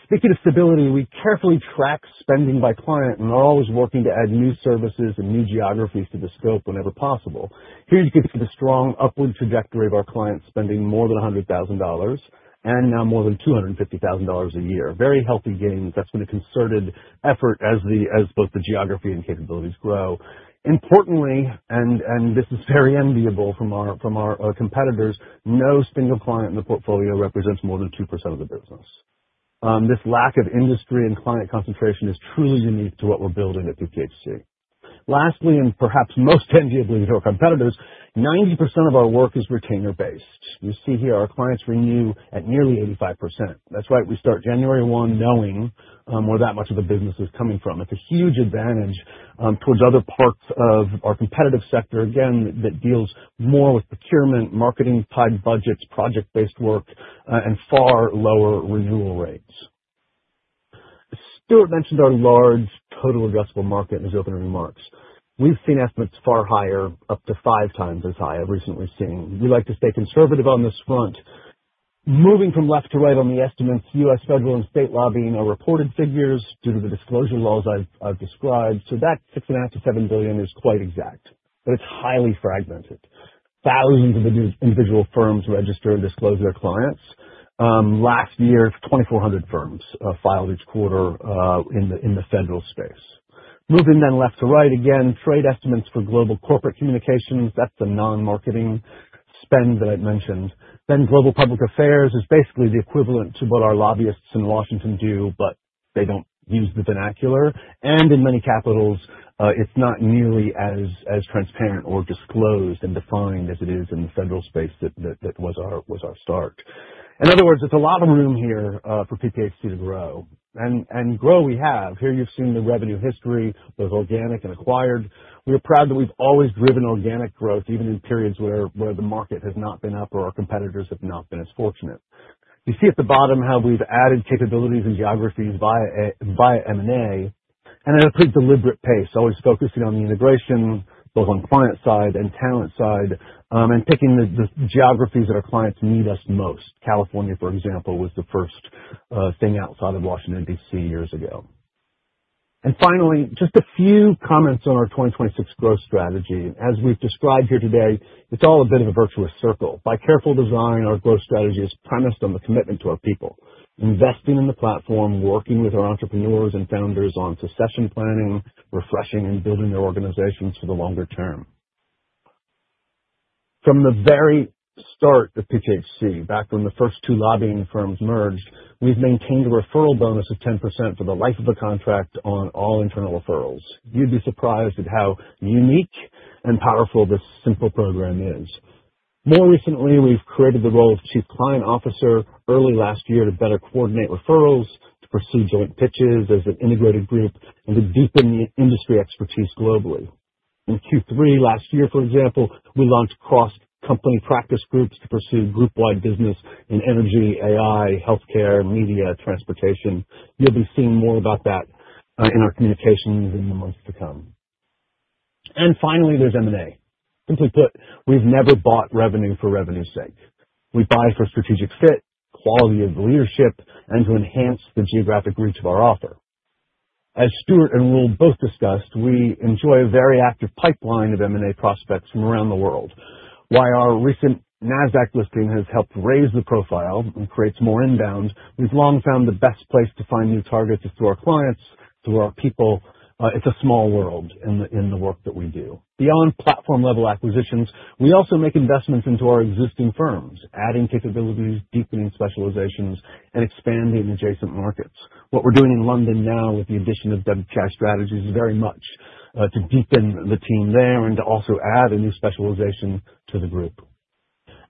Speaker 5: Speaking of stability, we carefully track spending by client, and we're always working to add new services and new geographies to the scope whenever possible. Here, you can see the strong upward trajectory of our clients spending more than $100,000 and now more than $250,000 a year. Very healthy gains. That's been a concerted effort as both the geography and capabilities grow. Importantly, this is very enviable from our competitors, no single client in the portfolio represents more than 2% of the business. This lack of industry and client concentration is truly unique to what we're building at PPHC. Lastly, perhaps most enviably to our competitors, 90% of our work is retainer-based. You see here our clients renew at nearly 85%. That's right. We start January 1 knowing where that much of the business is coming from. It's a huge advantage towards other parts of our competitive sector, again, that deals more with procurement, marketing tied budgets, project-based work, and far lower renewal rates. Stewart mentioned our large total addressable market in his opening remarks. We've seen estimates far higher, up to five times as high, I've recently seen. We like to stay conservative on this front. Moving from left to right on the estimates, U.S. federal and state lobbying are reported figures due to the disclosure laws I've described. That $6.5 billion-$7 billion is quite exact, but it's highly fragmented. Thousands of individual firms register and disclose their clients. Last year, 2,400 firms filed each quarter in the federal space. Moving left to right again, trade estimates for global corporate communications, that's the non-marketing spend that I mentioned. Global public affairs is basically the equivalent to what our lobbyists in Washington do, but they don't use the vernacular. In many capitals, it's not nearly as transparent or disclosed and defined as it is in the federal space that was our start. In other words, there's a lot of room here for PPHC to grow. Grow we have. Here, you've seen the revenue history, both organic and acquired. We're proud that we've always driven organic growth, even in periods where the market has not been up or our competitors have not been as fortunate. You see at the bottom how we've added capabilities and geographies by M&A, and at a pretty deliberate pace, always focusing on the integration, both on client side and talent side, and picking the geographies that our clients need us most. California, for example, was the first thing outside of Washington, D.C. years ago. Finally, just a few comments on our 2026 growth strategy. As we've described here today, it's all been a virtuous circle. By careful design, our growth strategy is premised on the commitment to our people, investing in the platform, working with our entrepreneurs and founders on succession planning, refreshing and building their organizations for the longer term. From the very start of PPHC, back when the first two lobbying firms merged, we've maintained a referral bonus of 10% for the life of the contract on all internal referrals. You'd be surprised at how unique and powerful this simple program is. More recently, we've created the role of Chief Client Officer early last year to better coordinate referrals, to pursue joint pitches as an integrated group, and to deepen the industry expertise globally. In Q3 last year, for example, we launched cross-company practice groups to pursue group-wide business in energy, AI, healthcare, media, transportation. You'll be seeing more about that in our communications in the months to come. Finally, there's M&A. Simply put, we've never bought revenue for revenue's sake. We buy for strategic fit, quality of leadership, and to enhance the geographic reach of our offer. As Stewart and Roel both discussed, we enjoy a very active pipeline of M&A prospects from around the world. While our recent Nasdaq listing has helped raise the profile and creates more inbounds, we've long found the best place to find new targets is through our clients, through our people. It's a small world in the work that we do. Beyond platform-level acquisitions, we also make investments into our existing firms, adding capabilities, deepening specializations, and expanding adjacent markets. What we're doing in London now with the addition of WPI Strategy is very much to deepen the team there and to also add a new specialization to the group.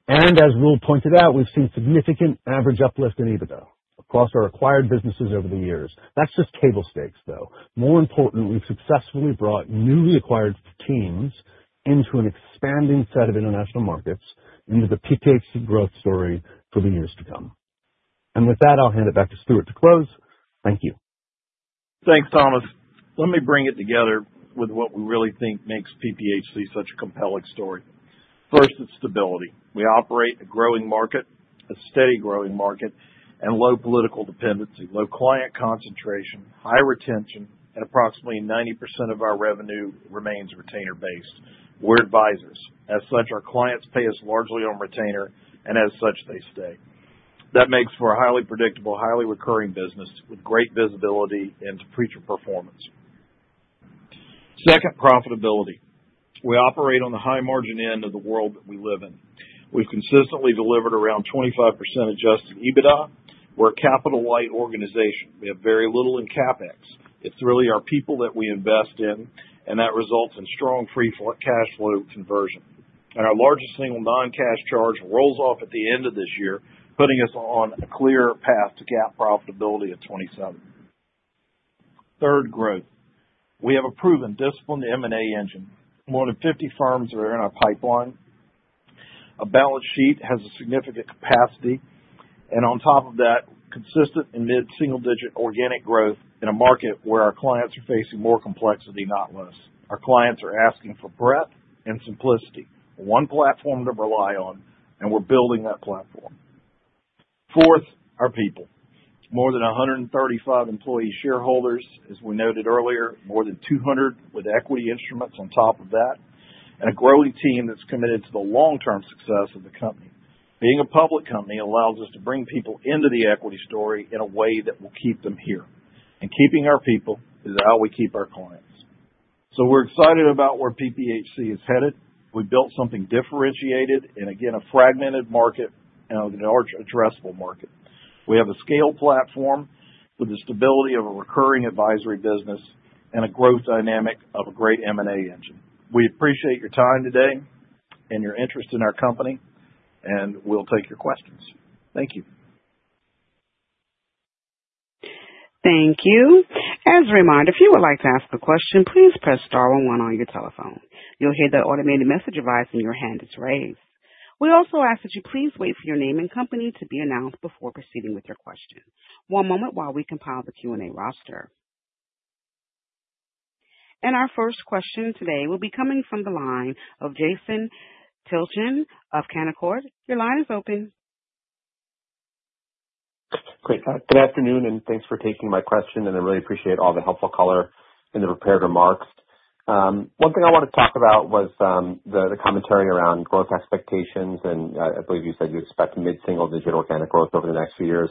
Speaker 5: As Roel pointed out, we've seen significant average uplift in EBITDA across our acquired businesses over the years. That's just table stakes, though. More importantly, we've successfully brought newly acquired teams into an expanding set of international markets into the PPHC growth story for the years to come. With that, I'll hand it back to Stewart to close. Thank you.
Speaker 3: Thanks, Thomas. Let me bring it together with what we really think makes PPHC such a compelling story. First, it's stability. We operate a growing market, a steady growing market, low political dependency, low client concentration, high retention, and approximately 90% of our revenue remains retainer-based. We're advisors. As such, our clients pay us largely on retainer, and as such they stay. That makes for a highly predictable, highly recurring business with great visibility into future performance. Second, profitability. We operate on the high margin end of the world that we live in. We've consistently delivered around 25% adjusted EBITDA. We're a capital light organization. We have very little in CapEx. It's really our people that we invest in, and that results in strong free cash flow conversion. Our largest single non-cash charge rolls off at the end of this year, putting us on a clear path to GAAP profitability in 2027. Third, growth. We have a proven disciplined M&A engine. More than 50 firms are in our pipeline. Our balance sheet has a significant capacity. On top of that, consistent and mid-single digit organic growth in a market where our clients are facing more complexity, not less. Our clients are asking for breadth and simplicity. One platform to rely on, and we're building that platform. Fourth, our people. More than 135 employee shareholders, as we noted earlier, more than 200 with equity instruments on top of that, and a growing team that's committed to the long-term success of the company. Being a public company allows us to bring people into the equity story in a way that will keep them here. Keeping our people is how we keep our clients. We're excited about where PPHC is headed. We've built something differentiated in, again, a fragmented market and a large addressable market. We have a scaled platform with the stability of a recurring advisory business and a growth dynamic of a great M&A engine. We appreciate your time today and your interest in our company, and we'll take your questions. Thank you.
Speaker 1: Thank you. As a reminder, if you would like to ask a question, please press star one on your telephone. You'll hear the automated message advise when your hand is raised. We also ask that you please wait for your name and company to be announced before proceeding with your question. One moment while we compile the Q&A roster. Our first question today will be coming from the line of Jason Tilton of Canaccord. Your line is open.
Speaker 6: Great. Good afternoon, and thanks for taking my question, and I really appreciate all the helpful color in the prepared remarks. One thing I wanted to talk about was the commentary around growth expectations, and I believe you said you expect mid-single-digit organic growth over the next few years.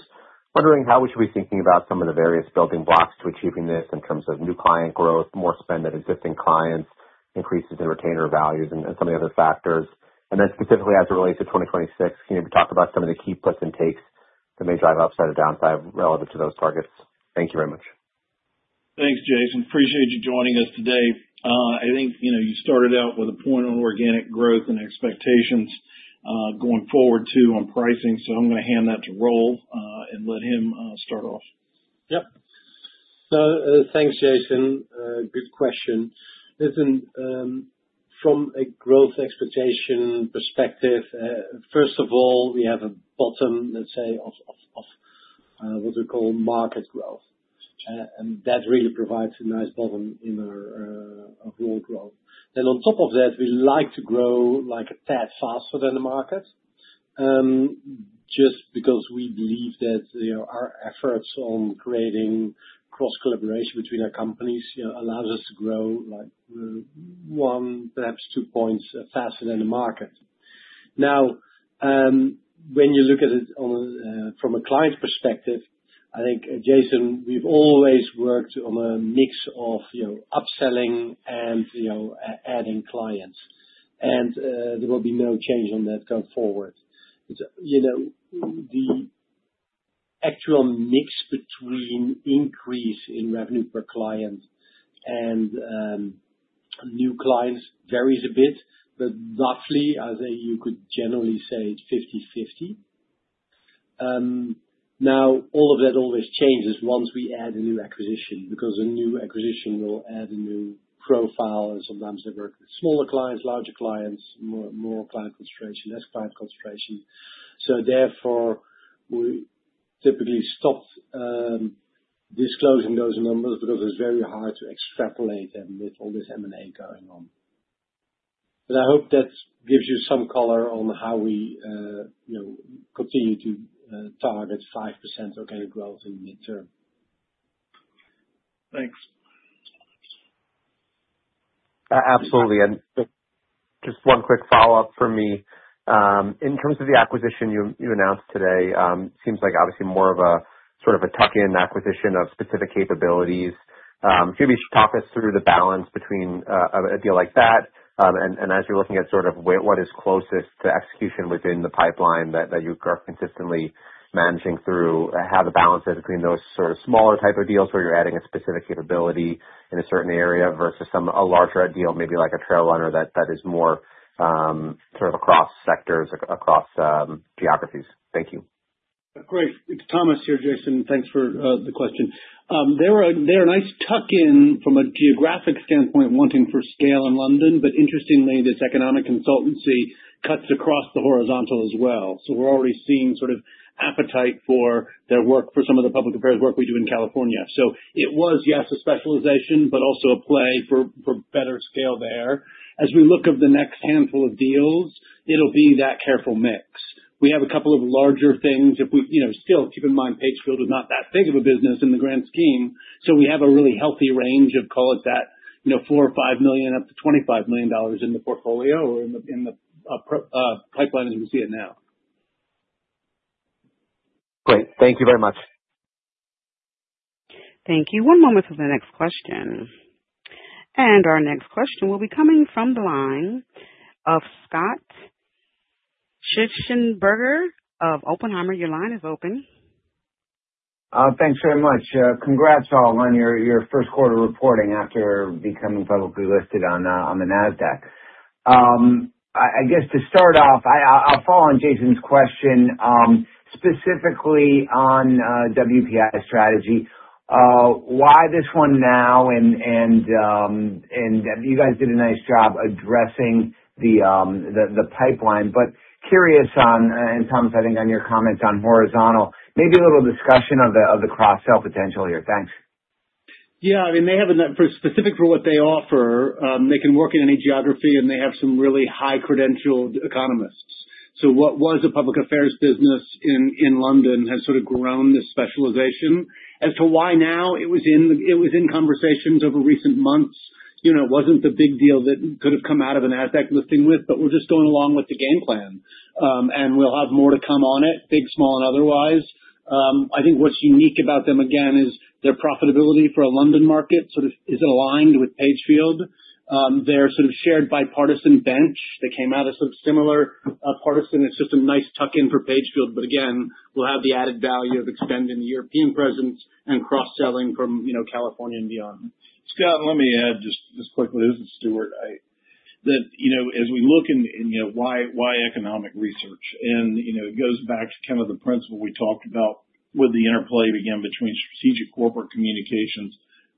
Speaker 6: I'm wondering how we should be thinking about some of the various building blocks to achieving this in terms of new client growth, more spend at existing clients, increases in retainer values and some of the other factors. Specifically as it relates to 2026, can you talk about some of the key puts and takes that may drive upside or downside relative to those targets? Thank you very much.
Speaker 3: Thanks, Jason. Appreciate you joining us today. I think you started out with a point on organic growth and expectations going forward too on pricing. I'm going to hand that to Roel and let him start off.
Speaker 4: Yep. Thanks, Jason. Good question. Listen, from a growth expectation perspective, first of all, we have a bottom, let's say, of what we call market growth. That really provides a nice bottom in our growth. On top of that, we like to grow a tad faster than the market, just because we believe that our efforts on creating cross-collaboration between our companies allows us to grow one, perhaps two points faster than the market. When you look at it from a client perspective, I think, Jason, we've always worked on a mix of upselling and adding clients, there will be no change on that going forward. The actual mix between increase in revenue per client and new clients varies a bit, roughly, I think you could generally say 50/50. All of that always changes once we add a new acquisition because a new acquisition will add a new profile and sometimes they work with smaller clients, larger clients, more client concentration, less client concentration. Therefore, we typically stop disclosing those numbers because it's very hard to extrapolate them with all this M&A going on. I hope that gives you some color on how we continue to target 5% organic growth in the near term.
Speaker 6: Thanks. Absolutely. Just one quick follow-up from me. In terms of the acquisition you announced today, seems like obviously more of a tuck-in acquisition of specific capabilities. Maybe you should talk us through the balance between a deal like that and as you're looking at what is closest to execution within the pipeline that you are consistently managing through, how to balance that between those sort of smaller type of deals where you're adding a specific capability in a certain area versus a larger deal maybe like a TrailRunner that is more sort of across sectors, across geographies. Thank you.
Speaker 5: Great. It's Thomas here, Jason. Thanks for the question. They're a nice tuck-in from a geographic standpoint, one thing for scale in London, Interestingly this economic consultancy cuts across the horizontal as well. We're already seeing sort of appetite for their work for some of the public affairs work we do in California. It was, yes, a specialization, Also a play for better scale there. As we look at the next handful of deals, it'll be that careful mix. We have a couple of larger things. Still keep in mind Pagefield is not that big of a business in the grand scheme, We have a really healthy range of call it that, $4 million or $5 million up to $25 million in the portfolio, in the pipeline as we see it now.
Speaker 6: Great. Thank you very much.
Speaker 1: Thank you. One moment for the next question. Our next question will be coming from the line of Scott Schneeberger of Oppenheimer. Your line is open.
Speaker 7: Thanks very much. Congrats all on your first quarter reporting after becoming publicly listed on the Nasdaq. I guess to start off, I'll follow on Jason's question, specifically on WPI Strategy. Why this one now? You guys did a nice job addressing the pipeline, but curious on, and Thomas, I think on your comment on horizontal, maybe a little discussion of the cross-sell potential here. Thanks.
Speaker 5: Yeah. They have a net specific for what they offer. They can work in any geography and they have some really high-credentialed economists. What was a public affairs business in London has sort of grown this specification. As to why now, it was in conversations over recent months. It wasn't the big deal that could've come out of a Nasdaq listing, but we're just going along with the game plan. We'll have more to come on it, big, small, and otherwise. I think what's unique about them again is their profitability for a London market sort of is aligned with Pagefield. Their sort of shared bipartisan bench that came out of some similar partisan. It's just a nice tuck-in for Pagefield. Again, we'll have the added value of extending the European presence and cross-selling from California and beyond.
Speaker 3: Scott, let me add just quickly. This is Stewart. That as we look and why economic research? It goes back to the principle we talked about with the interplay again between strategic corporate communications,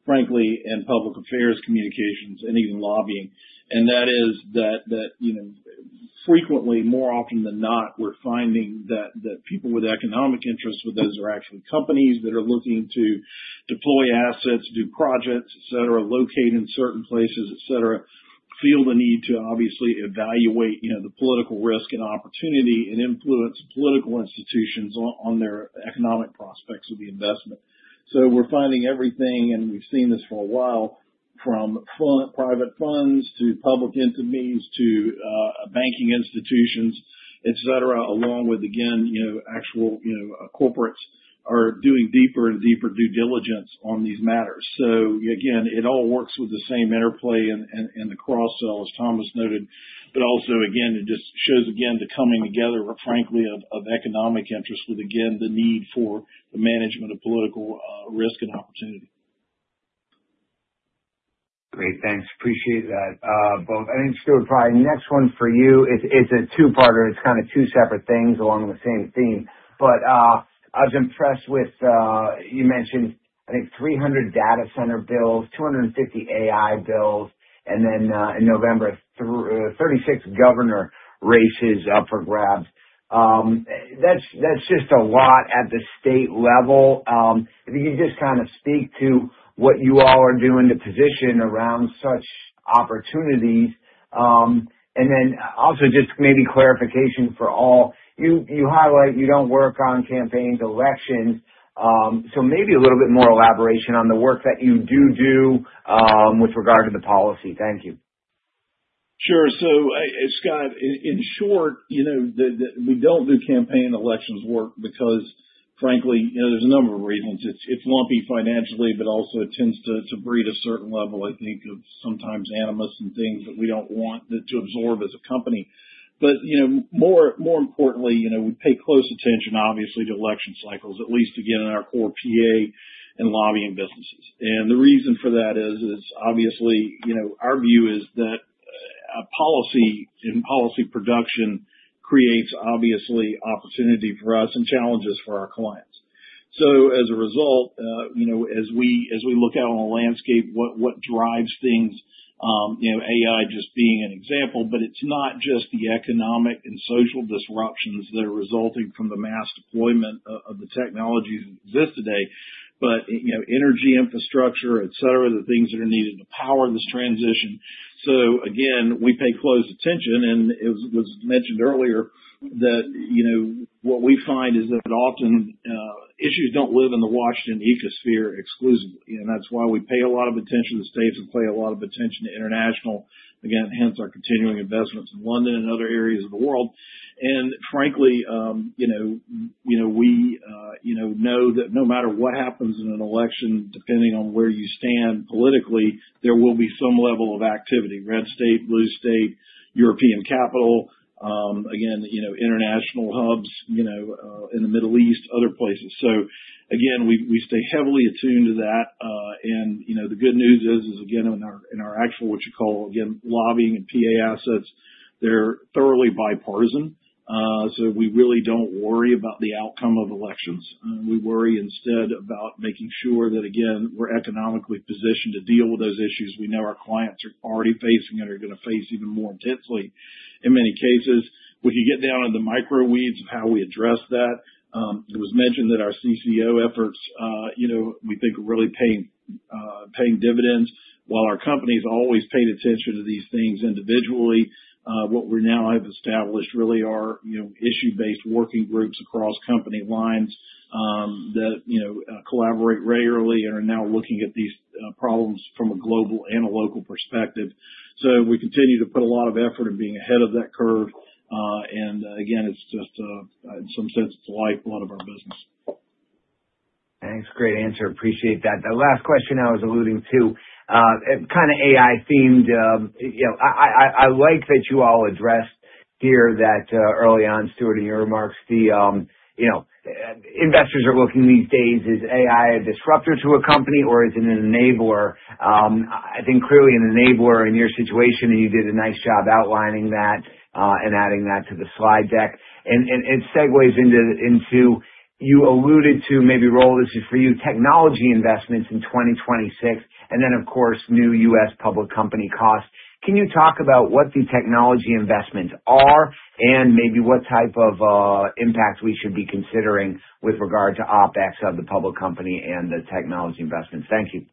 Speaker 3: frankly, and public affairs communications and even lobbying. That is that frequently, more often than not, we're finding that people with economic interests with those are actually companies that are looking to deploy assets, do projects, et cetera, locate in certain places, et cetera, feel the need to obviously evaluate the political risk and opportunity and influence of political institutions on their economic prospects of the investment. We're finding everything, and we've seen this for a while, from private funds to public entities to banking institutions, et cetera, along with, again, actual corporates are doing deeper and deeper due diligence on these matters. Again, it all works with the same interplay and the cross-sell as Thomas noted. Also again, it just shows again the coming together of frankly of economic interest with again the need for the management of political risk and opportunity.
Speaker 7: Great. Thanks. Appreciate that both. Stewart, probably next one for you. It's a two-parter. It's two separate things along the same theme, but I was impressed with, you mentioned I think 300 data center bills, 250 AI bills and then in November, 36 governor races up for grabs. That's just a lot at the state level. If you could just speak to what you all are doing to position around such opportunities. Also just maybe clarification for all. You highlight you don't work on campaign elections. Maybe a little bit more elaboration on the work that you do do with regard to the policy. Thank you.
Speaker 3: Sure. Scott, in short, we don't do campaign elections work because frankly, there's a number of reasons. It's lumpy financially, also it tends to breed a certain level, I think, of sometimes animus and things that we don't want to absorb as a company. More importantly, we pay close attention, obviously, to election cycles, at least again, in our core PA and lobbying businesses. The reason for that is obviously our view is that policy and policy production creates obviously opportunity for us and challenges for our clients. As a result, as we look out on the landscape, what drives things, AI just being an example, but it's not just the economic and social disruptions that are resulting from the mass deployment of the technologies that exist today, but energy infrastructure, et cetera, the things that are needed to power this transition. Again, we pay close attention, and as was mentioned earlier, that what we find is that often issues don't live in the Washington ecosphere exclusively, and that's why we pay a lot of attention to states and pay a lot of attention to international. Hence our continuing investments in London and other areas of the world. Frankly we know that no matter what happens in an election, depending on where you stand politically, there will be some level of activity. Red state, blue state, European capital, again international hubs in the Middle East, other places. Again, we stay heavily attuned to that. The good news is, again, in our actual, what you call, again, lobbying and PA assets, they're thoroughly bipartisan. We really don't worry about the outcome of elections. We worry instead about making sure that, again, we're economically positioned to deal with those issues we know our clients are already facing and are going to face even more intensely in many cases. When you get down to the micro weeds of how we address that, it was mentioned that our CCO efforts we think are really paying dividends while our company's always paid attention to these things individually. What we now have established really are issue-based working groups across company lines that collaborate regularly and are now looking at these problems from a global and a local perspective. We continue to put a lot of effort in being ahead of that curve. Again, it's just in some sense, it's the lifeblood of our business.
Speaker 7: Thanks. Great answer. Appreciate that. The last question I was alluding to, kind of AI themed. I like that you all addressed here that early on, Stewart, in your remarks, the investors are looking these days, is AI a disruptor to a company or is it an enabler? I think clearly an enabler in your situation, and you did a nice job outlining that and adding that to the slide deck. It segues into, you alluded to maybe, Roel, this is for you, technology investments in 2026, and then, of course, new U.S. public company costs. Can you talk about what the technology investments are and maybe what type of impact we should be considering with regard to OpEx of the public company and the technology investments? Thank you.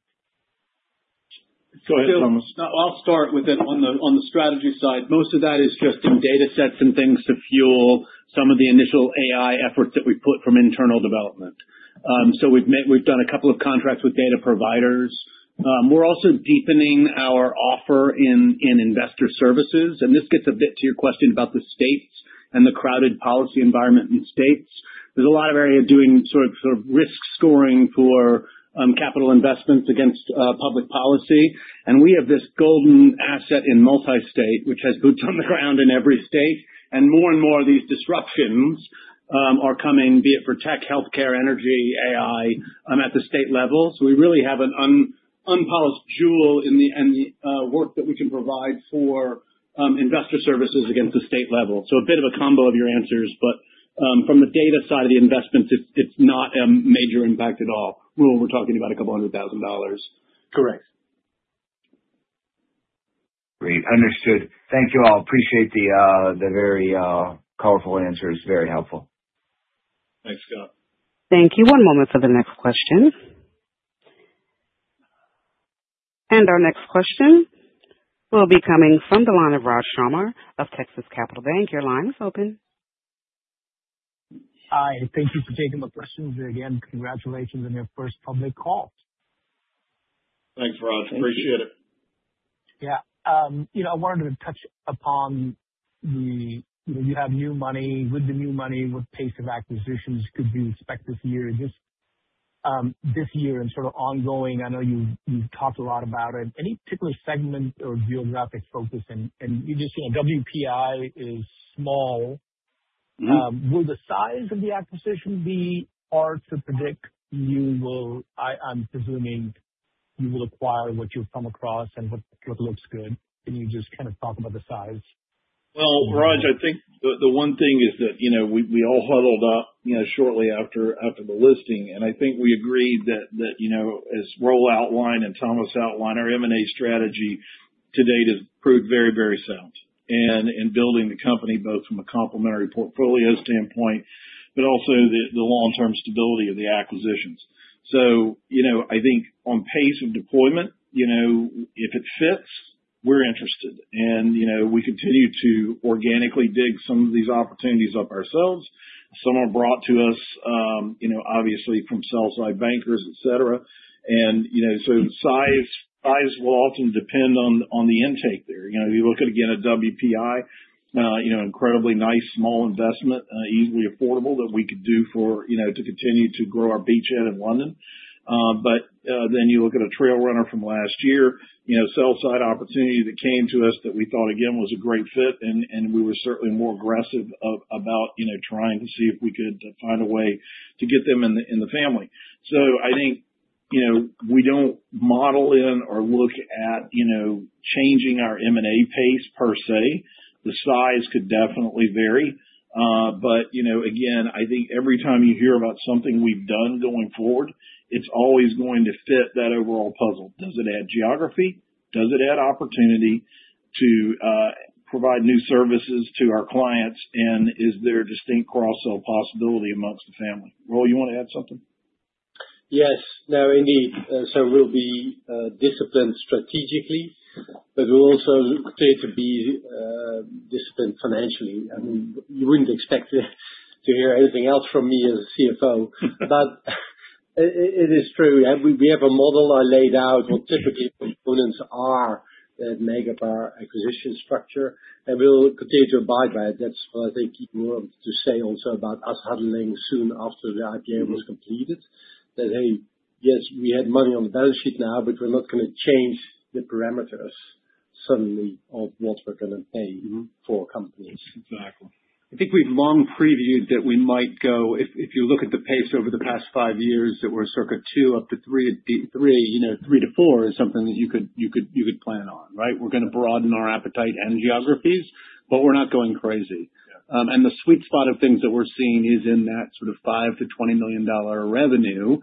Speaker 3: Go ahead, Thomas.
Speaker 5: I'll start with it on the strategy side. Most of that is just some data sets and things to fuel some of the initial AI efforts that we've put from internal development. We've done a couple of contracts with data providers. We're also deepening our offer in investor services, and this gets a bit to your question about the states and the crowded policy environment in states. There's a lot of area doing sort of risk scoring for capital investments against public policy, and we have this golden asset in MultiState, which has boots on the ground in every state. More and more of these disruptions are coming, be it for tech, healthcare, energy, AI, at the state level. We really have an unpolished jewel in the work that we can provide for investor services against the state level. A bit of a combo of your answers, but from a data side of the investment, it's not a major impact at all. We're talking about $200,000.
Speaker 3: Correct.
Speaker 7: Great. Understood. Thank you all. Appreciate the very colorful answers. Very helpful.
Speaker 3: Thanks, Scott.
Speaker 1: Thank you. One moment for the next question. Our next question will be coming from the line of Rajiv Sharma of Texas Capital Bank. Your line is open.
Speaker 8: Hi, thank you for taking my questions. Again, congratulations on your first public call.
Speaker 3: Thanks, Rajiv. Appreciate it.
Speaker 8: Yeah. I wanted to touch upon the, you have new money. With the new money, what pace of acquisitions could we expect this year and sort of ongoing? I know you've talked a lot about it. Any particular segment or geographic focus? You just said WPI is small. Will the size of the acquisition be hard to predict? I'm presuming you will acquire what you've come across and what looks good. Can you just kind of talk about the size?
Speaker 3: Well, Rajiv Sharma, I think the one thing is that we all huddled up shortly after the listing, and I think we agreed that as Roel Smits outlined and Thomas Gensemer outlined, our M&A strategy to date has proved very, very sound. In building the company, both from a complementary portfolio standpoint, but also the long-term stability of the acquisitions. I think on pace of deployment, if it fits, we're interested. We continue to organically dig some of these opportunities up ourselves. Some are brought to us obviously from sell-side bankers, et cetera. Size will often depend on the intake there. You look at, again, at WPI, incredibly nice small investment, easily affordable that we could do to continue to grow our beachhead in London. You look at a TrailRunner International from last year, a sell-side opportunity that came to us that we thought again was a great fit, and we were certainly more aggressive about trying to see if we could find a way to get them in the family. I think, we don't model in or look at changing our M&A pace per se. The size could definitely vary. Again, I think every time you hear about something we've done going forward, it's always going to fit that overall puzzle. Does it add geography? Does it add opportunity to provide new services to our clients? And is there a distinct cross-sell possibility amongst the family? Roel, you want to add something?
Speaker 4: Yes. No, indeed. We'll be disciplined strategically, but we'll also continue to be disciplined financially. I mean, you wouldn't expect to hear anything else from me as CFO. It is true. We have a model I laid out what typically components are that make up our acquisition structure, and we will continue to abide by it. That's what I think you want to say also about us having them soon after the IPO was completed. That, hey, yes, we have money on the balance sheet now, but we're not going to change the parameters suddenly of what we're going to pay for companies.
Speaker 5: Exactly. I think we've long previewed that we might go, if you look at the pace over the past five years, that we're sort of two up to three to four is something that you could plan on, right? We're going to broaden our appetite and geographies, but we're not going crazy.
Speaker 4: Yeah.
Speaker 5: The sweet spot of things that we're seeing is in that sort of $5 million-$20 million revenue.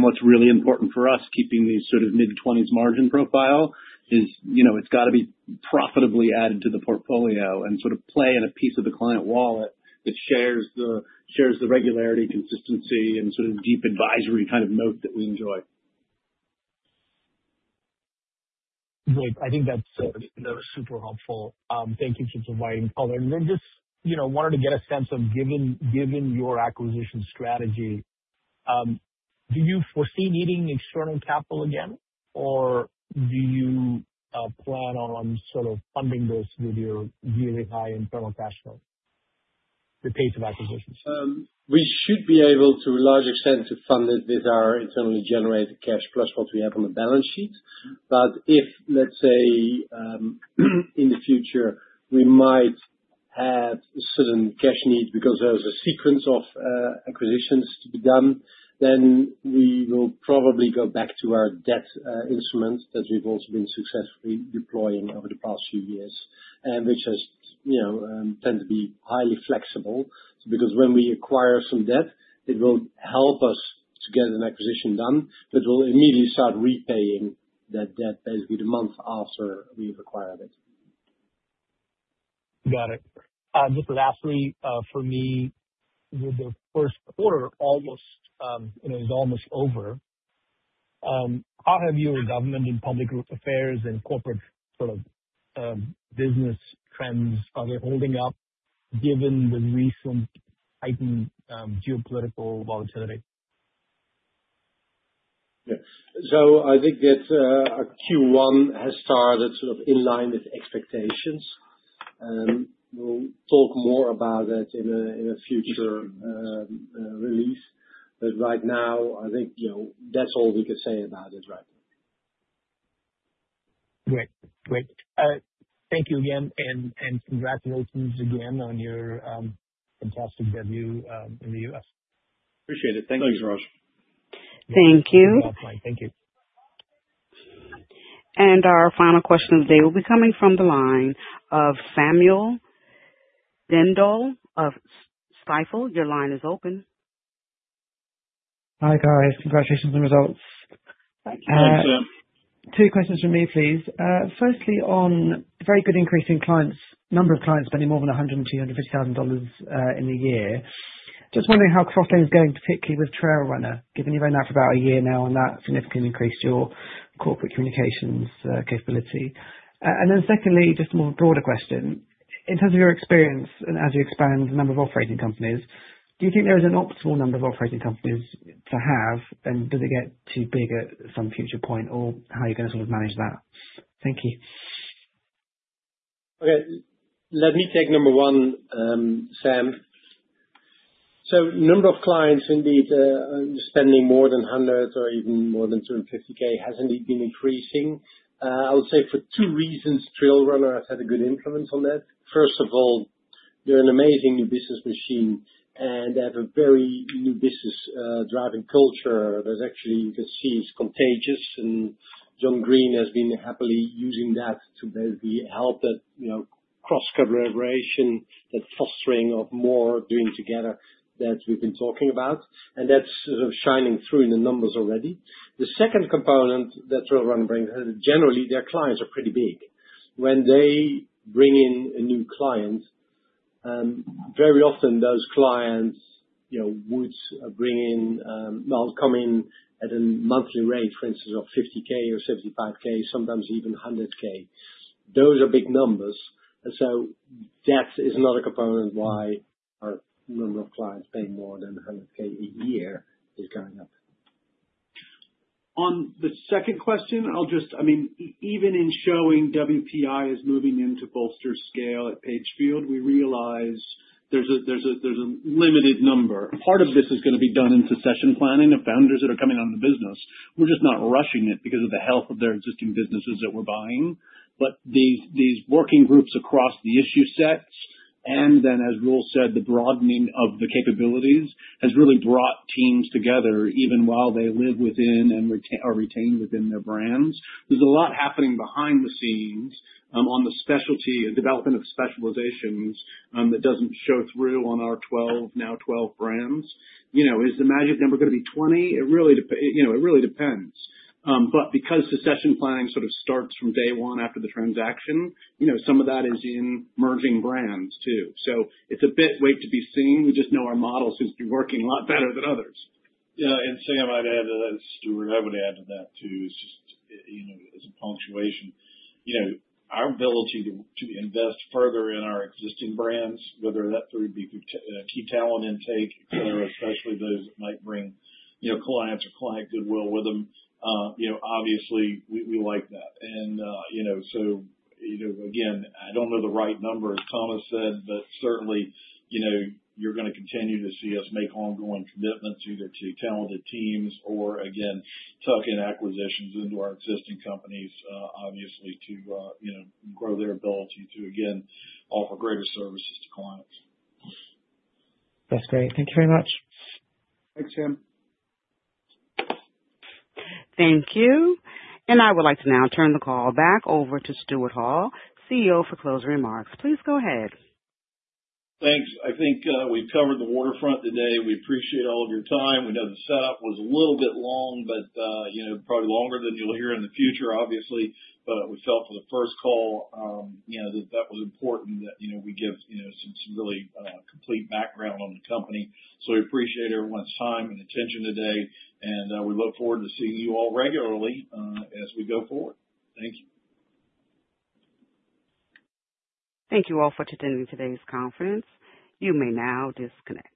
Speaker 5: What's really important for us, keeping these sort of mid-20s% margin profile is it's got to be profitably added to the portfolio and play in a piece of the client wallet that shares the regularity, consistency, and sort of deep advisory kind of moat that we enjoy.
Speaker 8: Great. I think that's super helpful. Thank you for providing color. Just wanted to get a sense of given your acquisition strategy, do you foresee needing external capital again, or do you plan on sort of funding this with your really high internal cash flow, the pace of acquisitions?
Speaker 4: We should be able to a large extent to fund this with our internally generated cash plus what we have on the balance sheet. If, let's say, in the future, we might have a sudden cash need because there's a sequence of acquisitions to be done, then we will probably go back to our debt instruments that we've also been successfully deploying over the past few years. Which has tended to be highly flexible because when we acquire some debt, it will help us to get an acquisition done, but we'll immediately start repaying that debt maybe the month after we've acquired it.
Speaker 8: Got it. Just lastly, for me, with the first quarter is almost over. How have your government and public affairs and corporate sort of business trends, are they holding up given the recent heightened geopolitical volatility?
Speaker 4: Yes. I think that our Q1 has started sort of in line with expectations, and we'll talk more about that in a future release. Right now, I think that's all we can say about it, right?
Speaker 8: Great. Thank you again, and congratulations again on your fantastic debut in the U.S.
Speaker 4: Appreciate it. Thanks.
Speaker 8: Thank you, Roel.
Speaker 4: Thank you.
Speaker 8: Bye. Thank you.
Speaker 1: Our final question of the day will be coming from the line of Samuel Dindol of Stifel. Your line is open.
Speaker 9: Hi, guys. Congratulations on the results.
Speaker 3: Thank you.
Speaker 4: Thanks, Sam.
Speaker 9: Two questions from me, please. Firstly, on very good increase in number of clients spending more than $100,000-$150,000 in a year. Just wondering how cross-selling is going, particularly with TrailRunner, given you went out for about a year now on that significantly increased your corporate communications capability. Secondly, just more broader question. In terms of your experience and as you expand the number of operating companies, do you think there's an optimal number of operating companies to have, and does it get too big at some future point, or how are you going to sort of manage that? Thank you.
Speaker 4: Okay. Let me take number one, Sam. Number of clients indeed are spending more than 100 or even more than $250K has indeed been increasing. I would say for two reasons, TrailRunner has had a good influence on that. First of all, they're an amazing business machine, and they have a very new business driving culture that actually you can see is contagious. John Green has been happily using that to be out that cross-company integration, that clustering of more doing together that we've been talking about, and that's sort of shining through in the numbers already. The second component that TrailRunner brings is generally their clients are pretty big. When they bring in a new client Very often those clients would come in at a monthly rate, for instance, of $50K or $75K, sometimes even $100K. Those are big numbers. That is another component why our number of clients paying more than $100K a year is going up.
Speaker 5: On the second question, even in showing WPI is moving into bolster scale at Pagefield, we realize there's a limited number. Part of this is going to be done in succession planning of founders that are coming out of the business. We're just not rushing it because of the health of their existing businesses that we're buying. These working groups across the issue sets, and then, as Roel Smits said, the broadening of the capabilities has really brought teams together, even while they live within and are retained within their brands. There's a lot happening behind the scenes on the development of specializations that doesn't show through on our now 12 brands. Is the magic number going to be 20? It really depends. Because succession planning sort of starts from day one after the transaction, some of that is in merging brands too.
Speaker 3: It's a bit wait to be seen. We just know our model seems to be working a lot better than others.
Speaker 2: Yeah. Sam, I'd add to that, Stewart, I would add to that too. It's just as a punctuation, our ability to invest further in our existing brands, whether that be through key talent intake, whether especially those that might bring clients or client goodwill with them, obviously we like that. Again, I don't know the right number, as Thomas said, but certainly, you're going to continue to see us make ongoing commitments either to talented teams or again, tuck-in acquisitions into our existing companies, obviously to grow their ability to, again, offer greater services to clients.
Speaker 9: That's great. Thank you very much.
Speaker 3: Thanks, Sam.
Speaker 1: Thank you. I would like to now turn the call back over to Stewart Hall, CEO, for closing remarks. Please go ahead.
Speaker 3: Thanks. I think we've covered the waterfront today. We appreciate all of your time. We know the setup was a little bit long, probably longer than you'll hear in the future, obviously. We felt for the first call that was important that we give some really complete background on the company. We appreciate everyone's time and attention today, and we look forward to seeing you all regularly as we go forward. Thank you.
Speaker 1: Thank you all for attending today's conference. You may now disconnect.